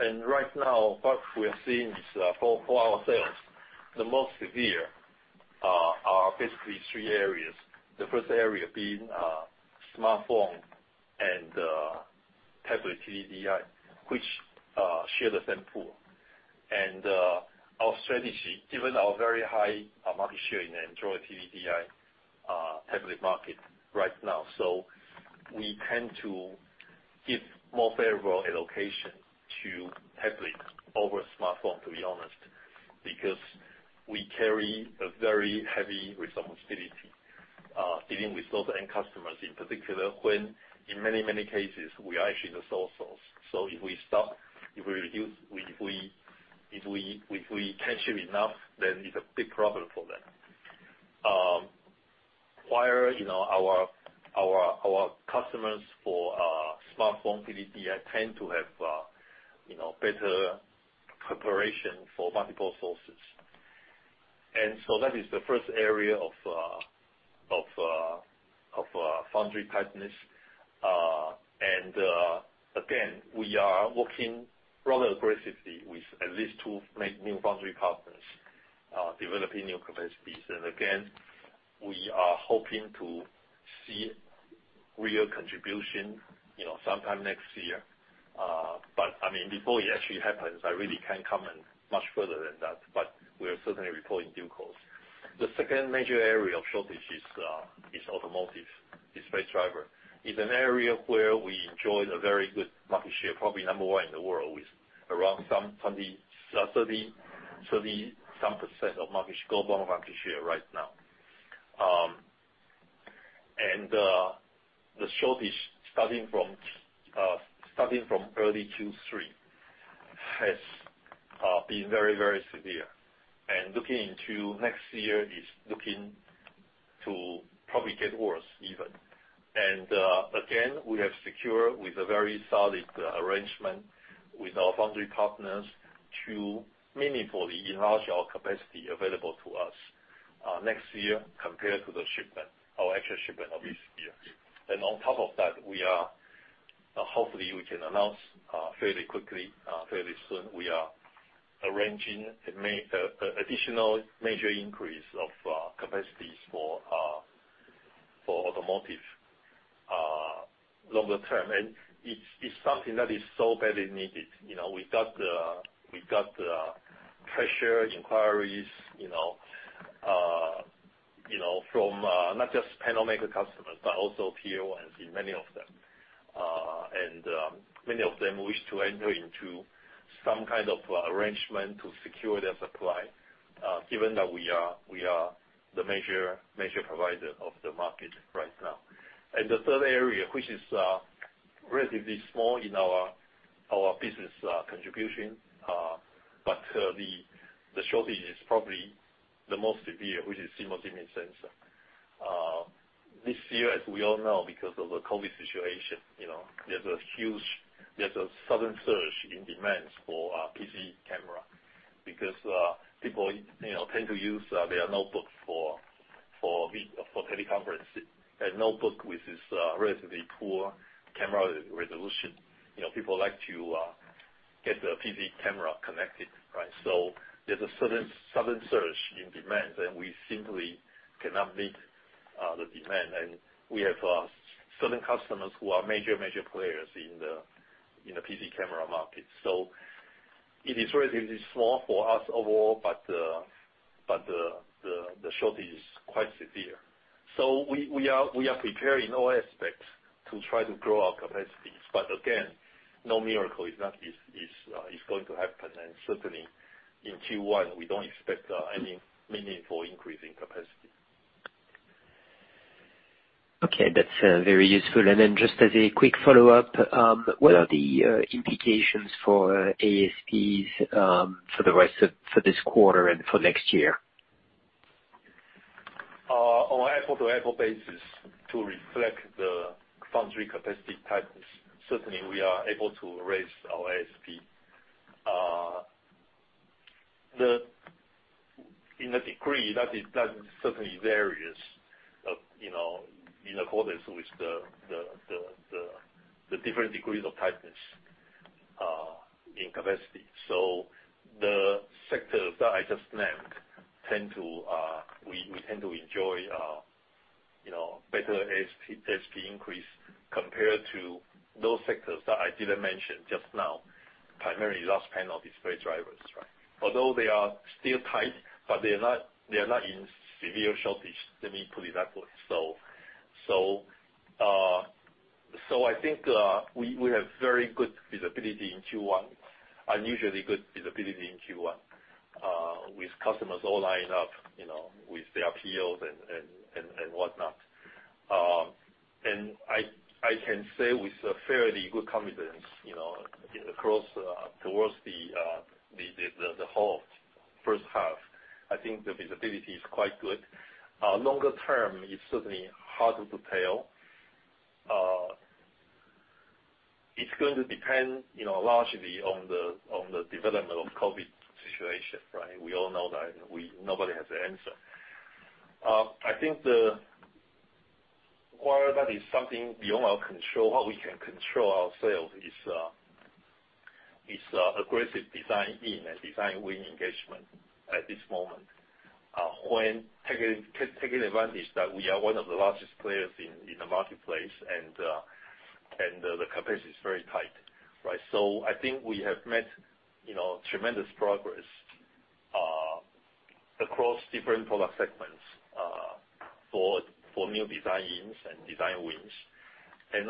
Right now, what we are seeing is, for ourselves, the most severe are basically three areas. The first area being smartphone and tablet TDDI, which share the same pool. Our strategy, given our very high market share in Android TDDI tablet market right now, we tend to give more favorable allocation to tablet over smartphone, to be honest, because we carry a very heavy responsibility of dealing with those end customers, in particular, when in many, many cases, we are actually the sole source. If we stop, if we can't ship enough, then it's a big problem for them, while our customers for smartphone TDDI tend to have better preparation for multiple sources. That is the first area of foundry tightness. Again, we are working rather aggressively with at least two new foundry partners, developing new capacities. Again, we are hoping to see real contribution sometime next year. Before it actually happens, I really can't comment much further than that, but we are certainly reporting due course. The second major area of shortage is automotive display driver. Is an area where we enjoy a very good market share, probably number one in the world, with around 30% of global market share right now. The shortage, starting from early Q3, has been very, very severe. Looking into next year is looking to probably get worse even. Again, we have secured with a very solid arrangement with our foundry partners to meaningfully enlarge our capacity available to us next year compared to the shipment, our actual shipment of this year. On top of that, hopefully, we can announce fairly quickly, fairly soon. We are arranging additional major increase of capacities for automotive longer term, and it's something that is so badly needed. We got the pressure, inquiries from not just panel maker customers, but also Tier 1s, and many of them. Many of them wish to enter into some kind of arrangement to secure their supply, given that we are the major provider of the market right now. The third area, which is relatively small in our business contribution, but the shortage is probably the most severe, which is CMOS image sensor. This year, as we all know, because of the COVID-19 situation, there's a sudden surge in demands for PC camera because people tend to use their notebook for teleconference. Notebook with this relatively poor camera resolution, people like to get the PC camera connected, right? There's a sudden surge in demands, and we simply cannot meet the demand. We have certain customers who are major players in the PC camera market. It is relatively small for us overall, but the shortage is quite severe. We are preparing all aspects to try to grow our capacities. Again, no miracle is going to happen. Certainly, in Q1, we don't expect any meaningful increase in capacity. Okay. That's very useful. Just as a quick follow-up, what are the implications for ASPs for this quarter and for next year? On apple-to-apple basis to reflect the foundry capacity tightness. Certainly, we are able to raise our ASP. In a degree, that certainly varies in accordance with the different degrees of tightness in capacity. The sectors that I just named, we tend to enjoy better ASP increase compared to those sectors that I didn't mention just now, primarily large panel display drivers. Although they are still tight, but they're not in severe shortage, let me put it that way. I think we have very good visibility in Q1, unusually good visibility in Q1, with customers all lined up, with their POs and whatnot. I can say with fairly good confidence, towards the whole first half, I think the visibility is quite good. Longer term is certainly harder to tell. It's going to depend largely on the development of COVID situation, right? We all know that nobody has the answer. I think while that is something beyond our control, what we can control ourselves is aggressive design in and design win engagement at this moment. Taking advantage that we are one of the largest players in the marketplace, and the capacity is very tight, right? I think we have made tremendous progress across different product segments for new designs and design wins.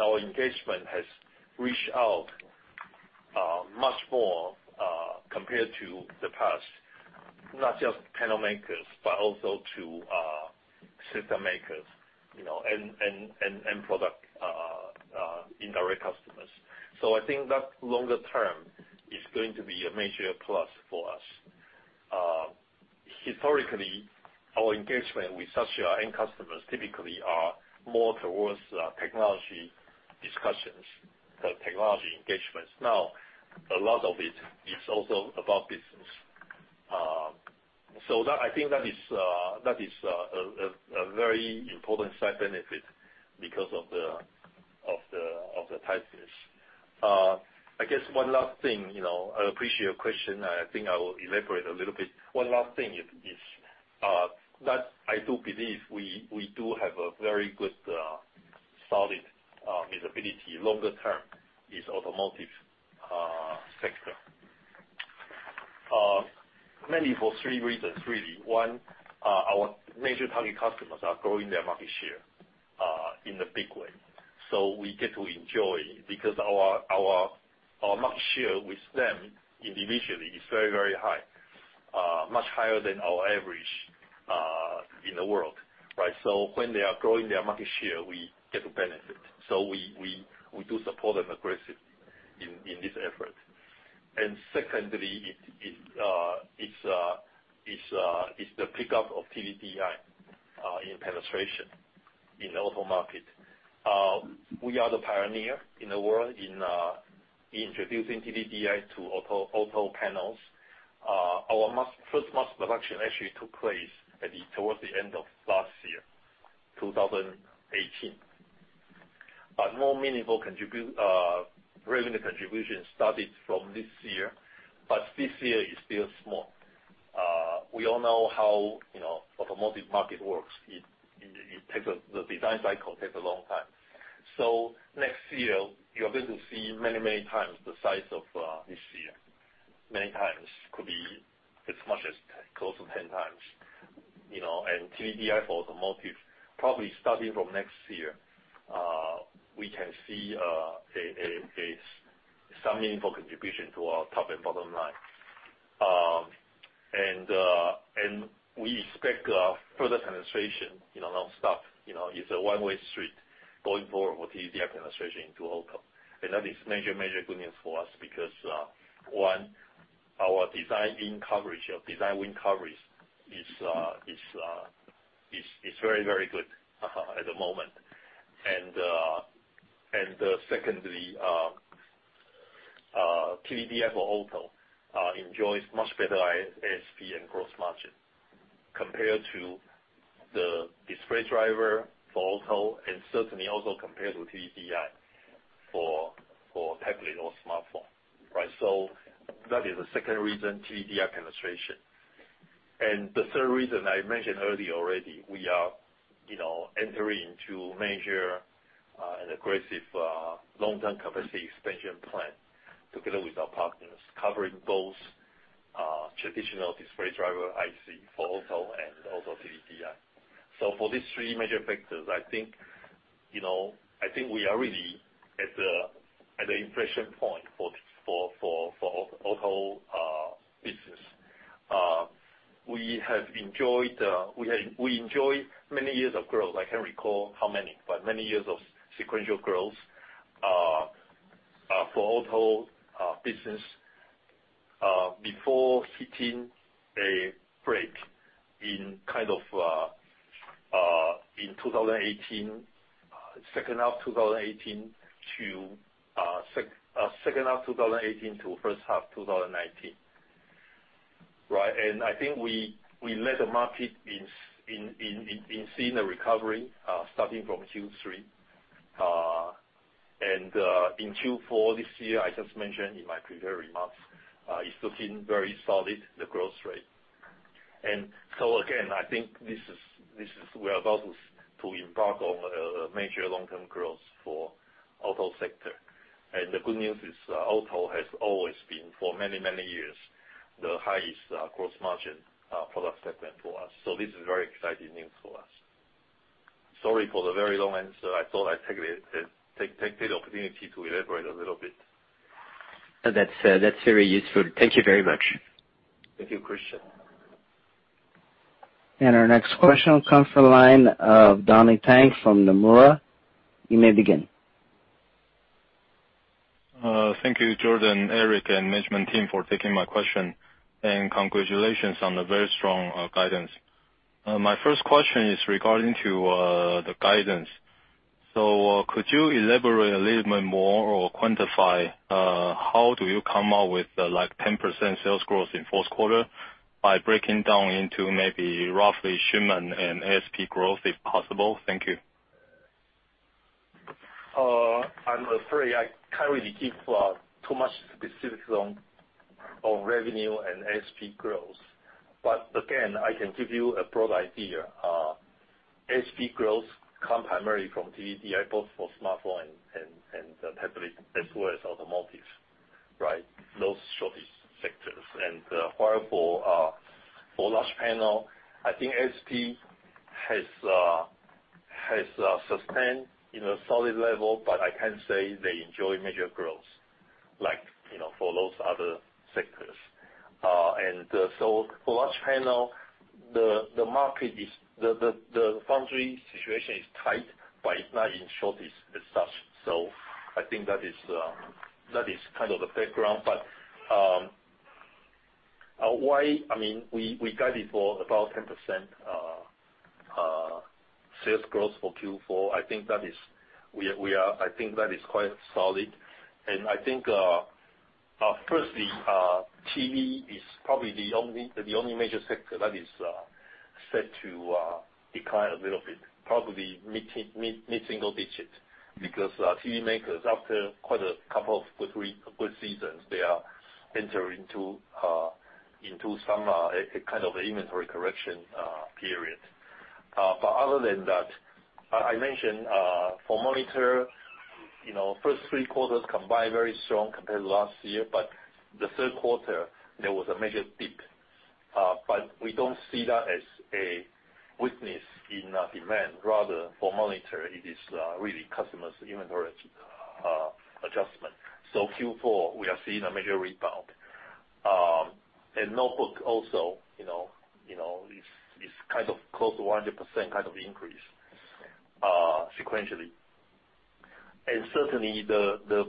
Our engagement has reached out much more, compared to the past, not just panel makers, but also to system makers, and product indirect customers. I think that longer term is going to be a major plus for us. Historically, our engagement with such end customers typically are more towards technology discussions, technology engagements. Now, a lot of it is also about business. I think that is a very important side benefit because of the tightness. I guess one last thing, I appreciate your question. I think I will elaborate a little bit. One last thing is that I do believe we do have a very good, solid visibility longer term, is automotive sector. Mainly for three reasons, really. One, our major target customers are growing their market share in a big way. We get to enjoy, because our market share with them individually is very, very high. Much higher than our average in the world, right? When they are growing their market share, we get the benefit. We do support them aggressively in this effort. Secondly, it's the pickup of TDDI penetration in auto market. We are the pioneer in the world in introducing TDDI to auto panels. Our first mass production actually took place towards the end of last year, 2018. More meaningful revenue contribution started from this year, but this year is still small. We all know how automotive market works. The design cycle takes a long time. Next year, you are going to see many times the size of this year. Many times. Could be as much as close to 10x. TDDI for automotive, probably starting from next year, we can see some meaningful contribution to our top and bottom line. We expect further penetration, nonstop. It's a one-way street going forward with TDDI penetration into auto. That is major good news for us because, one, our design win coverage is very good at the moment. Secondly, TDDI for auto enjoys much better ASP and gross margin compared to the display driver for auto and certainly also compared with TDDI for tablet or smartphone, right? That is the second reason, TDDI penetration. The third reason I mentioned earlier already, we are entering into major and aggressive long-term capacity expansion plan together with our partners, covering both traditional display driver IC for auto and also TDDI. For these three major factors, I think we are really at the inflection point for auto business. We enjoy many years of growth. I can't recall how many, but many years of sequential growth for auto business before hitting a break in second half 2018 to first half 2019, right? I think we let the market in seeing a recovery, starting from Q3. In Q4 this year, I just mentioned in my prepared remarks, it's still been very solid, the growth rate. Again, I think we are about to embark on a major long-term growth for auto sector. The good news is, auto has always been, for many years, the highest gross margin product segment for us. This is very exciting news for us. Sorry for the very long answer. I thought I'd take the opportunity to elaborate a little bit. That's very useful. Thank you very much. Thank you, Tristan. Our next question will come from the line of Donnie Teng from Nomura. You may begin. Thank you, Jordan, Eric, and management team for taking my question, and congratulations on the very strong guidance. My first question is regarding to the guidance. Could you elaborate a little bit more or quantify, how do you come up with 10% sales growth in fourth quarter by breaking down into maybe roughly shipment and ASP growth, if possible? Thank you. I'm afraid I can't really give too much specifics on revenue and ASP growth. Again, I can give you a broad idea. ASP growth come primarily from TDDI, both for smartphone and tablet, as well as automotives, right. While for large panel, I think ASP has sustained in a solid level, but I can't say they enjoy major growth like for those other sectors. For large panel, the foundry situation is tight, but it's not in shortage as such. I think that is the background. We guided for about 10% sales growth for Q4. I think that is quite solid, and I think, firstly, TV is probably the only major sector that is set to decline a little bit, probably mid-single digits. TV makers, after quite a couple of good seasons, they are entering into some kind of inventory correction period. Other than that, I mentioned for monitor, first three quarters combined, very strong compared to last year, but he third quarter, there was a major dip. We don't see that as a weakness in demand, rather, for monitor, it is really customers inventory adjustment. Q4, we are seeing a major rebound. Notebook also, is close to 100% increase sequentially. Certainly, the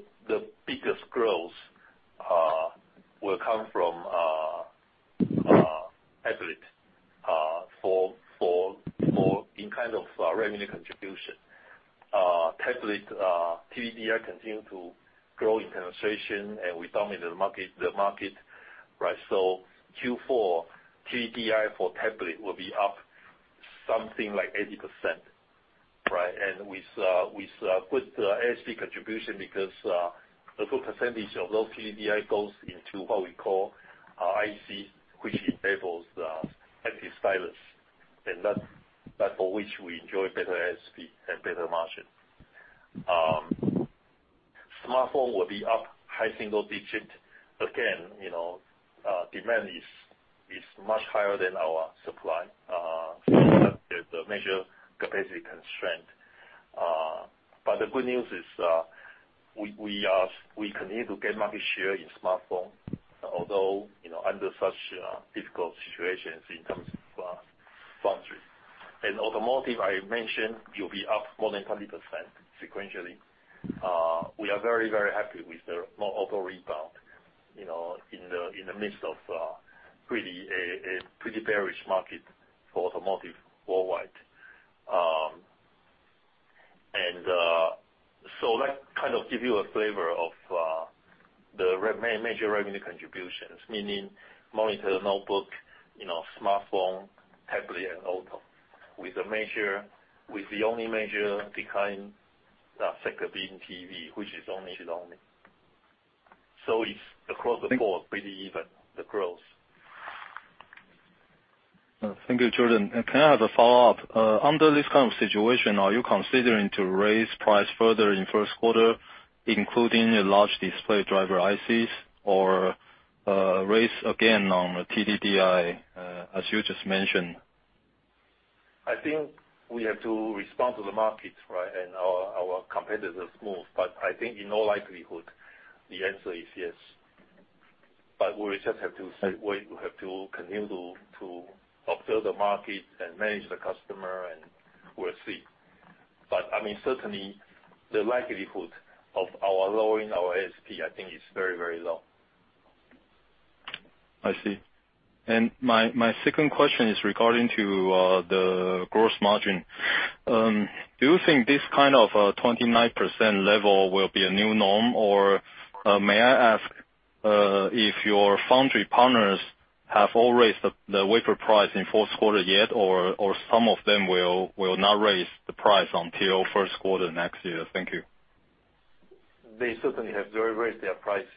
biggest growth will come from tablet in kind of revenue contribution. Tablet TDDI continue to grow in penetration. We dominate the market, so Q4, TDDI for tablet will be up something like 80%. With good ASP contribution, because a good percentage of those TDDI goes into what we call IC, which enables the active stylus, and that for which we enjoy better ASP and better margin. Smartphone will be up high single-digit, again, demand is much higher than our supply. There's a major capacity constraint. The good news is, we continue to gain market share in smartphone, although, under such difficult situations in terms of foundry. In automotive, I mentioned it'll be up more than 20% sequentially. We are very happy with the auto rebound, in the midst of a pretty bearish market for automotive worldwide. That kind of give you a flavor of the major revenue contributions, meaning monitor, notebook, smartphone, tablet and auto, with the only major decline, segment being TV, which is one-digit only. It's across the board, pretty even, the growth. Thank you, Jordan. Can I have a follow-up? Under this kind of situation, are you considering to raise price further in first quarter, including large display driver ICs, or raise again on TDDI, as you just mentioned? I think we have to respond to the market, and our competitors' move. I think in all likelihood, the answer is yes. We just have to wait. We have to continue to fulfill the market and manage the customer, and we'll see. Certainly, the likelihood of our lowering our ASP, I think, is very low. I see. My second question is regarding to the gross margin. Do you think this kind of 29% level will be a new norm, or may I ask, if your foundry partners have all raised the wafer price in fourth quarter yet, or some of them will not raise the price until first quarter next year? Thank you. They certainly have raised their prices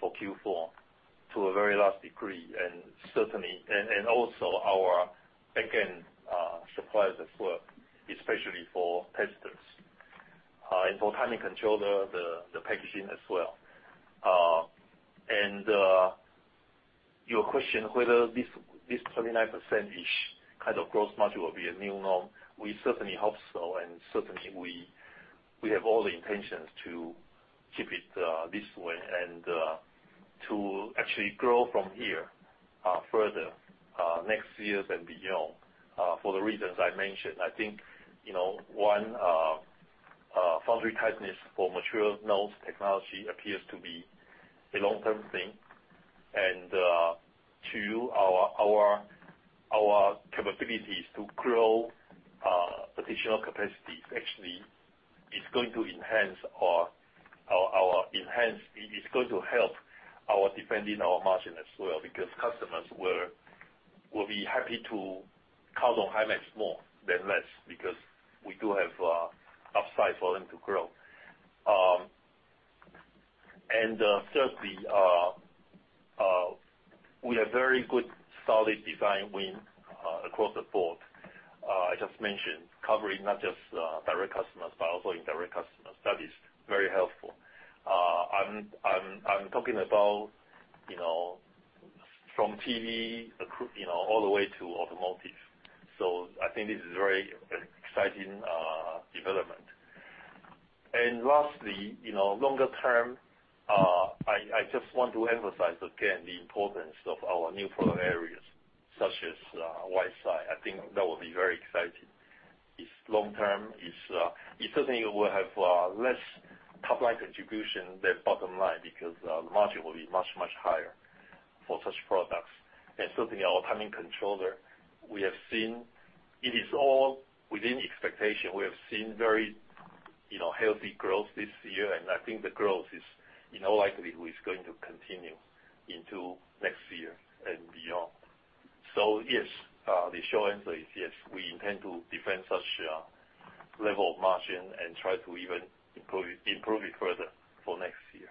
for Q4 to a very large degree, and also our backend suppliers as well, especially for testers. For timing controller, the packaging as well. Your question whether this 29% kind of gross margin will be a new norm. We certainly hope so, and certainly, we have all the intentions to keep it this way and to actually grow from here, further, next year and beyond, for the reasons I mentioned. I think, one, foundry tightness for mature nodes technology appears to be a long-term thing. Two, our capabilities to grow additional capacities actually is going to help defending our margin as well, because customers will be happy to count on Himax more than less, because we do have upside for them to grow. Thirdly, we have very good, solid design wins across the board. I just mentioned covering not just direct customers, but also indirect customers. That is very helpful. I'm talking about from TV all the way to automotive. I think this is a very exciting development. Lastly, longer term, I just want to emphasize again the importance of our new product areas, such as WiseEye. I think that will be very exciting. It's long term. It certainly will have less top-line contribution than bottom line because the margin will be much higher for such products. Certainly our timing controller, it is all within expectation. We have seen very healthy growth this year, and I think the growth is, in all likelihood, is going to continue into next year and beyond. Yes, the short answer is yes, we intend to defend such level of margin and try to even improve it further for next year.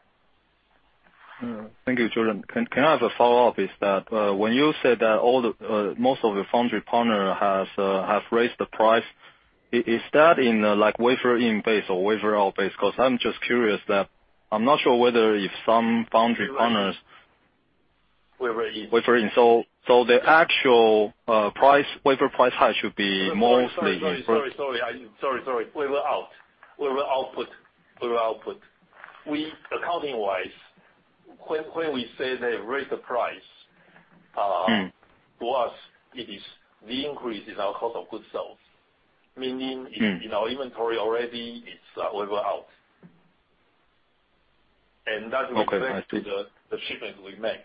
Thank you, Jordan. Can I have a follow-up, is that when you said that most of your foundry partner have raised the price, is that in wafer-in base or wafer-out base? Because I'm just curious, I'm not sure whether foundry partners. Wafer-in. Wafer-in. The actual wafer price hike should be mostly. Sorry. Wafer-out. Wafer output. Accounting-wise, when we say they raised the price, for us, the increase is our cost of goods sold, meaning in our inventory already, it's wafer-out. That reflects the shipment we make.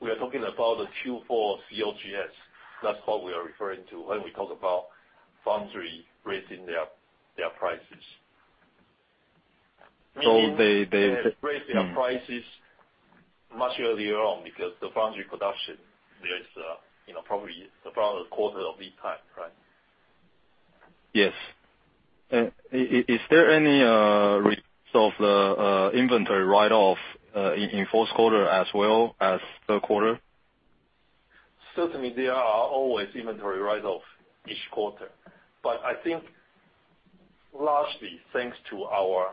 We are talking about the Q4 COGS. That's what we are referring to when we talk about foundry raising their prices. Raising their prices much earlier on because the foundry production, there is probably about a quarter of lead time, right? Yes. Is there any results of the inventory write-off in fourth quarter as well as third quarter? Certainly, there are always inventory write-off each quarter. I think largely, thanks to our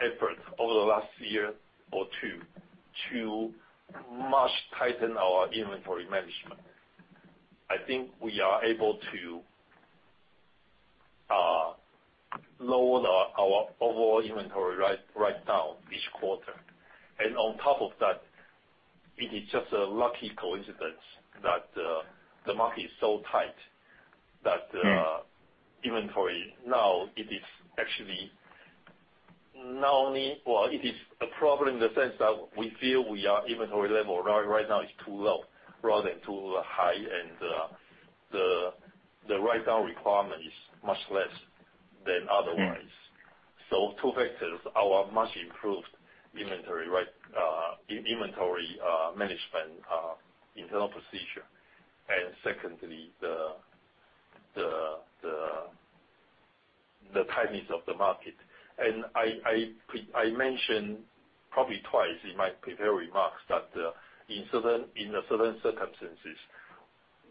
efforts over the last year or two, to much tighten our inventory management. I think we are able to load our overall inventory right now each quarter. On top of that, it is just a lucky coincidence that the market is so tight that inventory now, it is a problem in the sense that we feel we are inventory level right now is too low rather than too high, and the write down requirement is much less than otherwise. Two factors, our much improved inventory management, internal procedure, and secondly, the tightness of the market. I mentioned probably twice in my prepared remarks that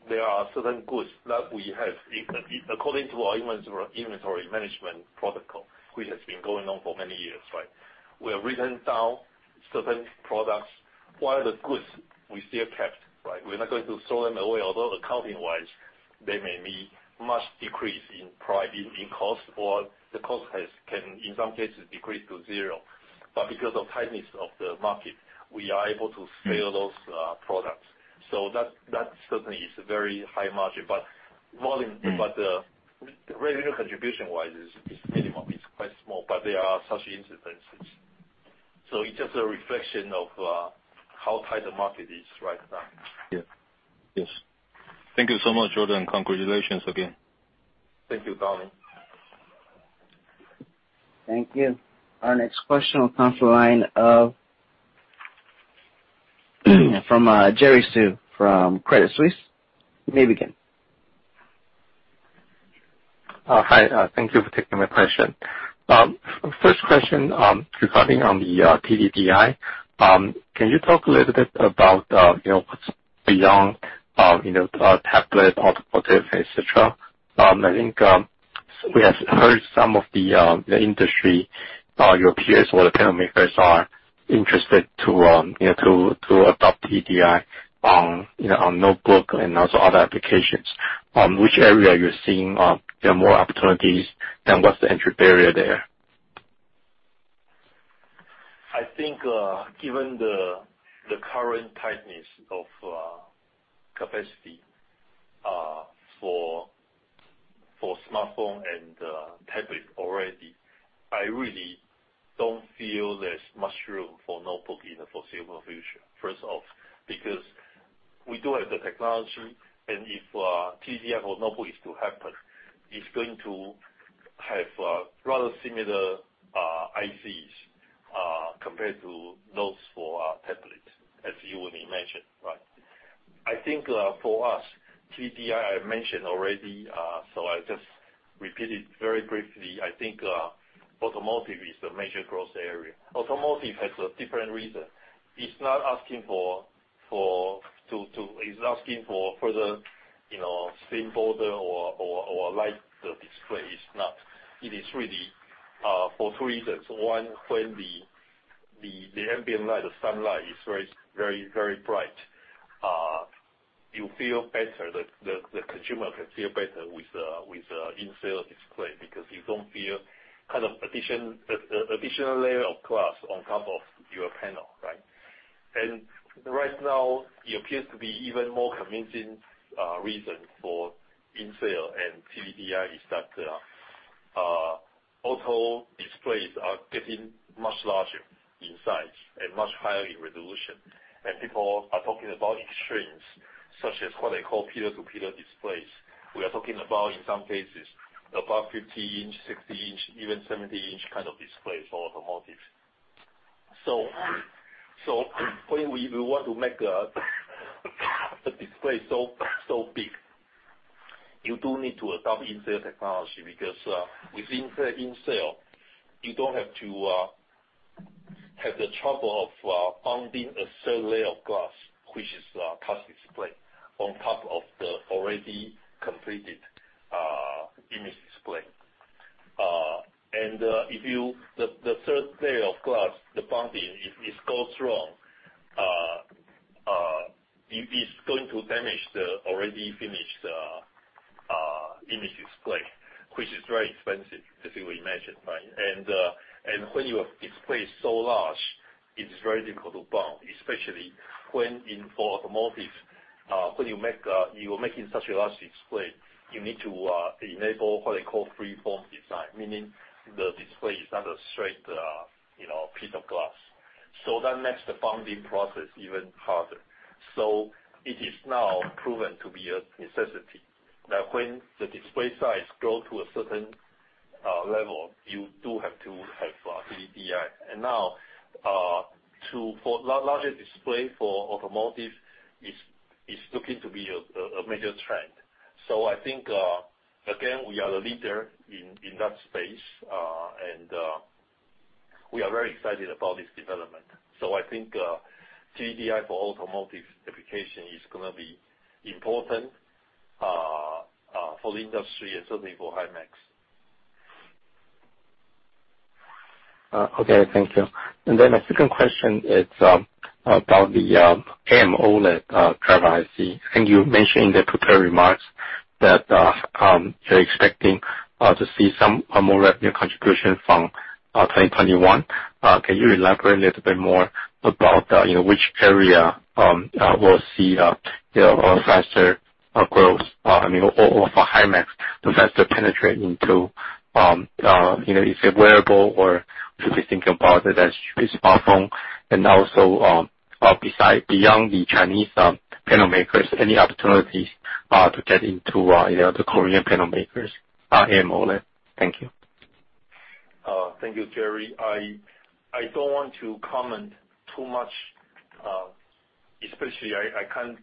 there are certain goods that we have, according to our inventory management protocol, which has been going on for many years, right? We have written down certain products while the goods we still kept, right? We're not going to throw them away, although accounting-wise, they may be much decrease in cost, or the cost has, can in some cases, decrease to zero. Because of tightness of the market, we are able to sell those products. That certainly is a very high margin. The revenue contribution-wise is minimum. It's quite small, but they are such incidences. It's just a reflection of how tight the market is right now. Yeah. Yes. Thank you so much, Jordan. Congratulations again. Thank you, Donnie. Thank you. Our next question will come from the line of Jerry Su from Credit Suisse. You may begin. Hi. Thank you for taking my question. First question, regarding on the TDDI. Can you talk a little bit about what's beyond tablet, automotive, et cetera? I think we have heard some of the industry, your peers or the panel makers are interested to adopt TDDI on notebook and also other applications. Which area you're seeing, there are more opportunities, and what's the entry barrier there? I think, given the current tightness of capacity for smartphone and tablet already, I really don't feel there's much room for notebook in the foreseeable future. First off, because we do have the technology, and if TDDI for notebook is to happen, it's going to have rather similar ICs compared to those for tablets, as you would imagine, right? I think, for us, TDDI, I mentioned already, so I'll just repeat it very briefly. I think automotive is the major growth area. Automotive has a different reason. It's asking for further thin form factor or lighter display. It's not. It is really for three reasons. One, when the ambient light or sunlight is very bright, you feel better. The consumer can see better with the in-cell display because you don't feel additional layer of glass on top of your panel, right? Right now, it appears to be even more convincing reason for in-cell and TDDI is that auto displays are getting much larger in size and much higher in resolution. People are talking about extremes, such as what they call pillar-to-pillar displays. We are talking about, in some cases, above 50-inch, 60-inch, even 70-inch kind of displays for automotive. When we want to make the display so big, you do need to adopt in-cell technology because, with in-cell, you don't have to have the trouble of bonding a cell layer of glass, which is a touch display on top of the already completed image display. The third layer of glass, the bonding, if it goes wrong, it's going to damage the already finished image display, which is very expensive, as you would imagine, right? When your display is so large, it is very difficult to bond. Especially when in for automotive, when you are making such a large display, you need to enable what they call free-form design, meaning the display is not a straight piece of glass. That makes the bonding process even harder. It is now proven to be a necessity that when the display size grow to a certain level, you do have to have TDDI. Now, larger display for automotive is looking to be a major trend. I think, again, we are the leader in that space, and we are very excited about this development. I think TDDI for automotive application is going to be important for the industry and certainly for Himax. Okay. Thank you. My second question is about the AMOLED driver IC. I think you mentioned in the prepared remarks that you're expecting to see some more revenue contribution from 2021. Can you elaborate a little bit more about which area will see faster growth, or for Himax, the faster penetrate into? Is it wearable or should we think about it as smartphone? Beyond the Chinese panel makers, any opportunities to get into the Korean panel makers, AMOLED? Thank you. Thank you, Jerry. I don't want to comment too much, especially I can't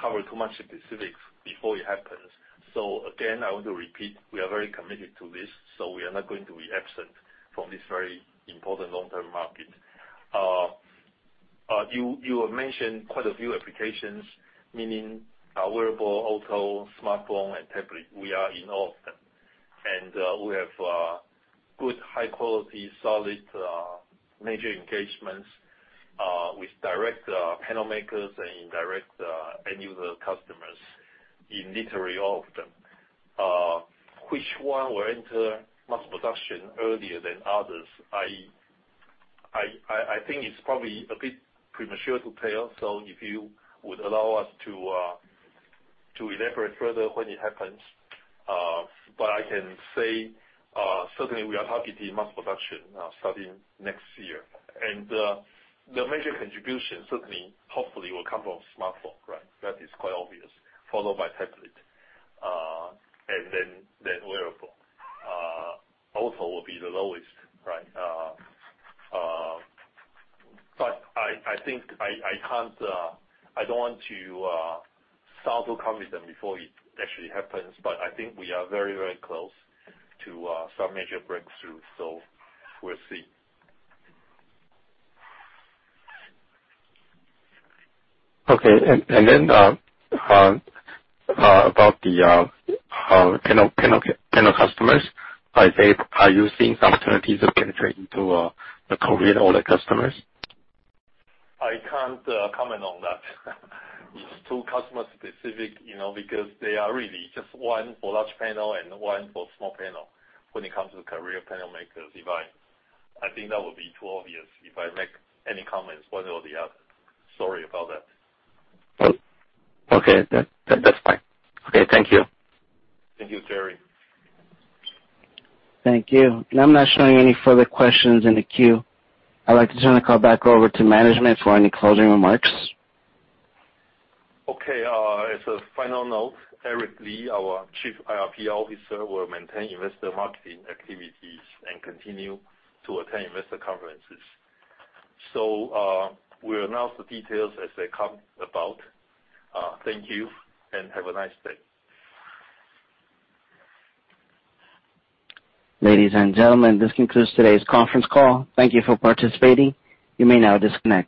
cover too much specifics before it happens. Again, I want to repeat, we are very committed to this, so we are not going to be absent from this very important long-term market. You have mentioned quite a few applications, meaning wearable, auto, smartphone, and tablet. We are in all of them. We have good, high quality, solid, major engagements with direct panel makers and indirect end user customers in literally all of them. Which one will enter mass production earlier than others? I think it's probably a bit premature to tell. If you would allow us to elaborate further when it happens. I can say, certainly we are targeting mass production starting next year. The major contribution certainly, hopefully, will come from smartphone, right? That is quite obvious. Followed by tablet, then wearable. Auto will be the lowest, right? I don't want to sound too confident before it actually happens. I think we are very close to some major breakthrough, we'll see. Okay. About the panel customers, are you seeing some opportunities of penetrating to the Korean OLED customers? I can't comment on that. It's too customer specific, because they are really just one for large panel and one for small panel when it comes to Korean panel makers. If I think that would be too obvious if I make any comments, one way or the other. Sorry about that. Okay. That's fine. Okay, thank you. Thank you, Jerry. Thank you. I'm not showing any further questions in the queue. I'd like to turn the call back over to management for any closing remarks. Okay. As a final note, Eric Li, our Chief IR/PR Officer, will maintain investor marketing activities and continue to attend investor conferences. We'll announce the details as they come about. Thank you, and have a nice day. Ladies and gentlemen, this concludes today's conference call. Thank you for participating. You may now disconnect.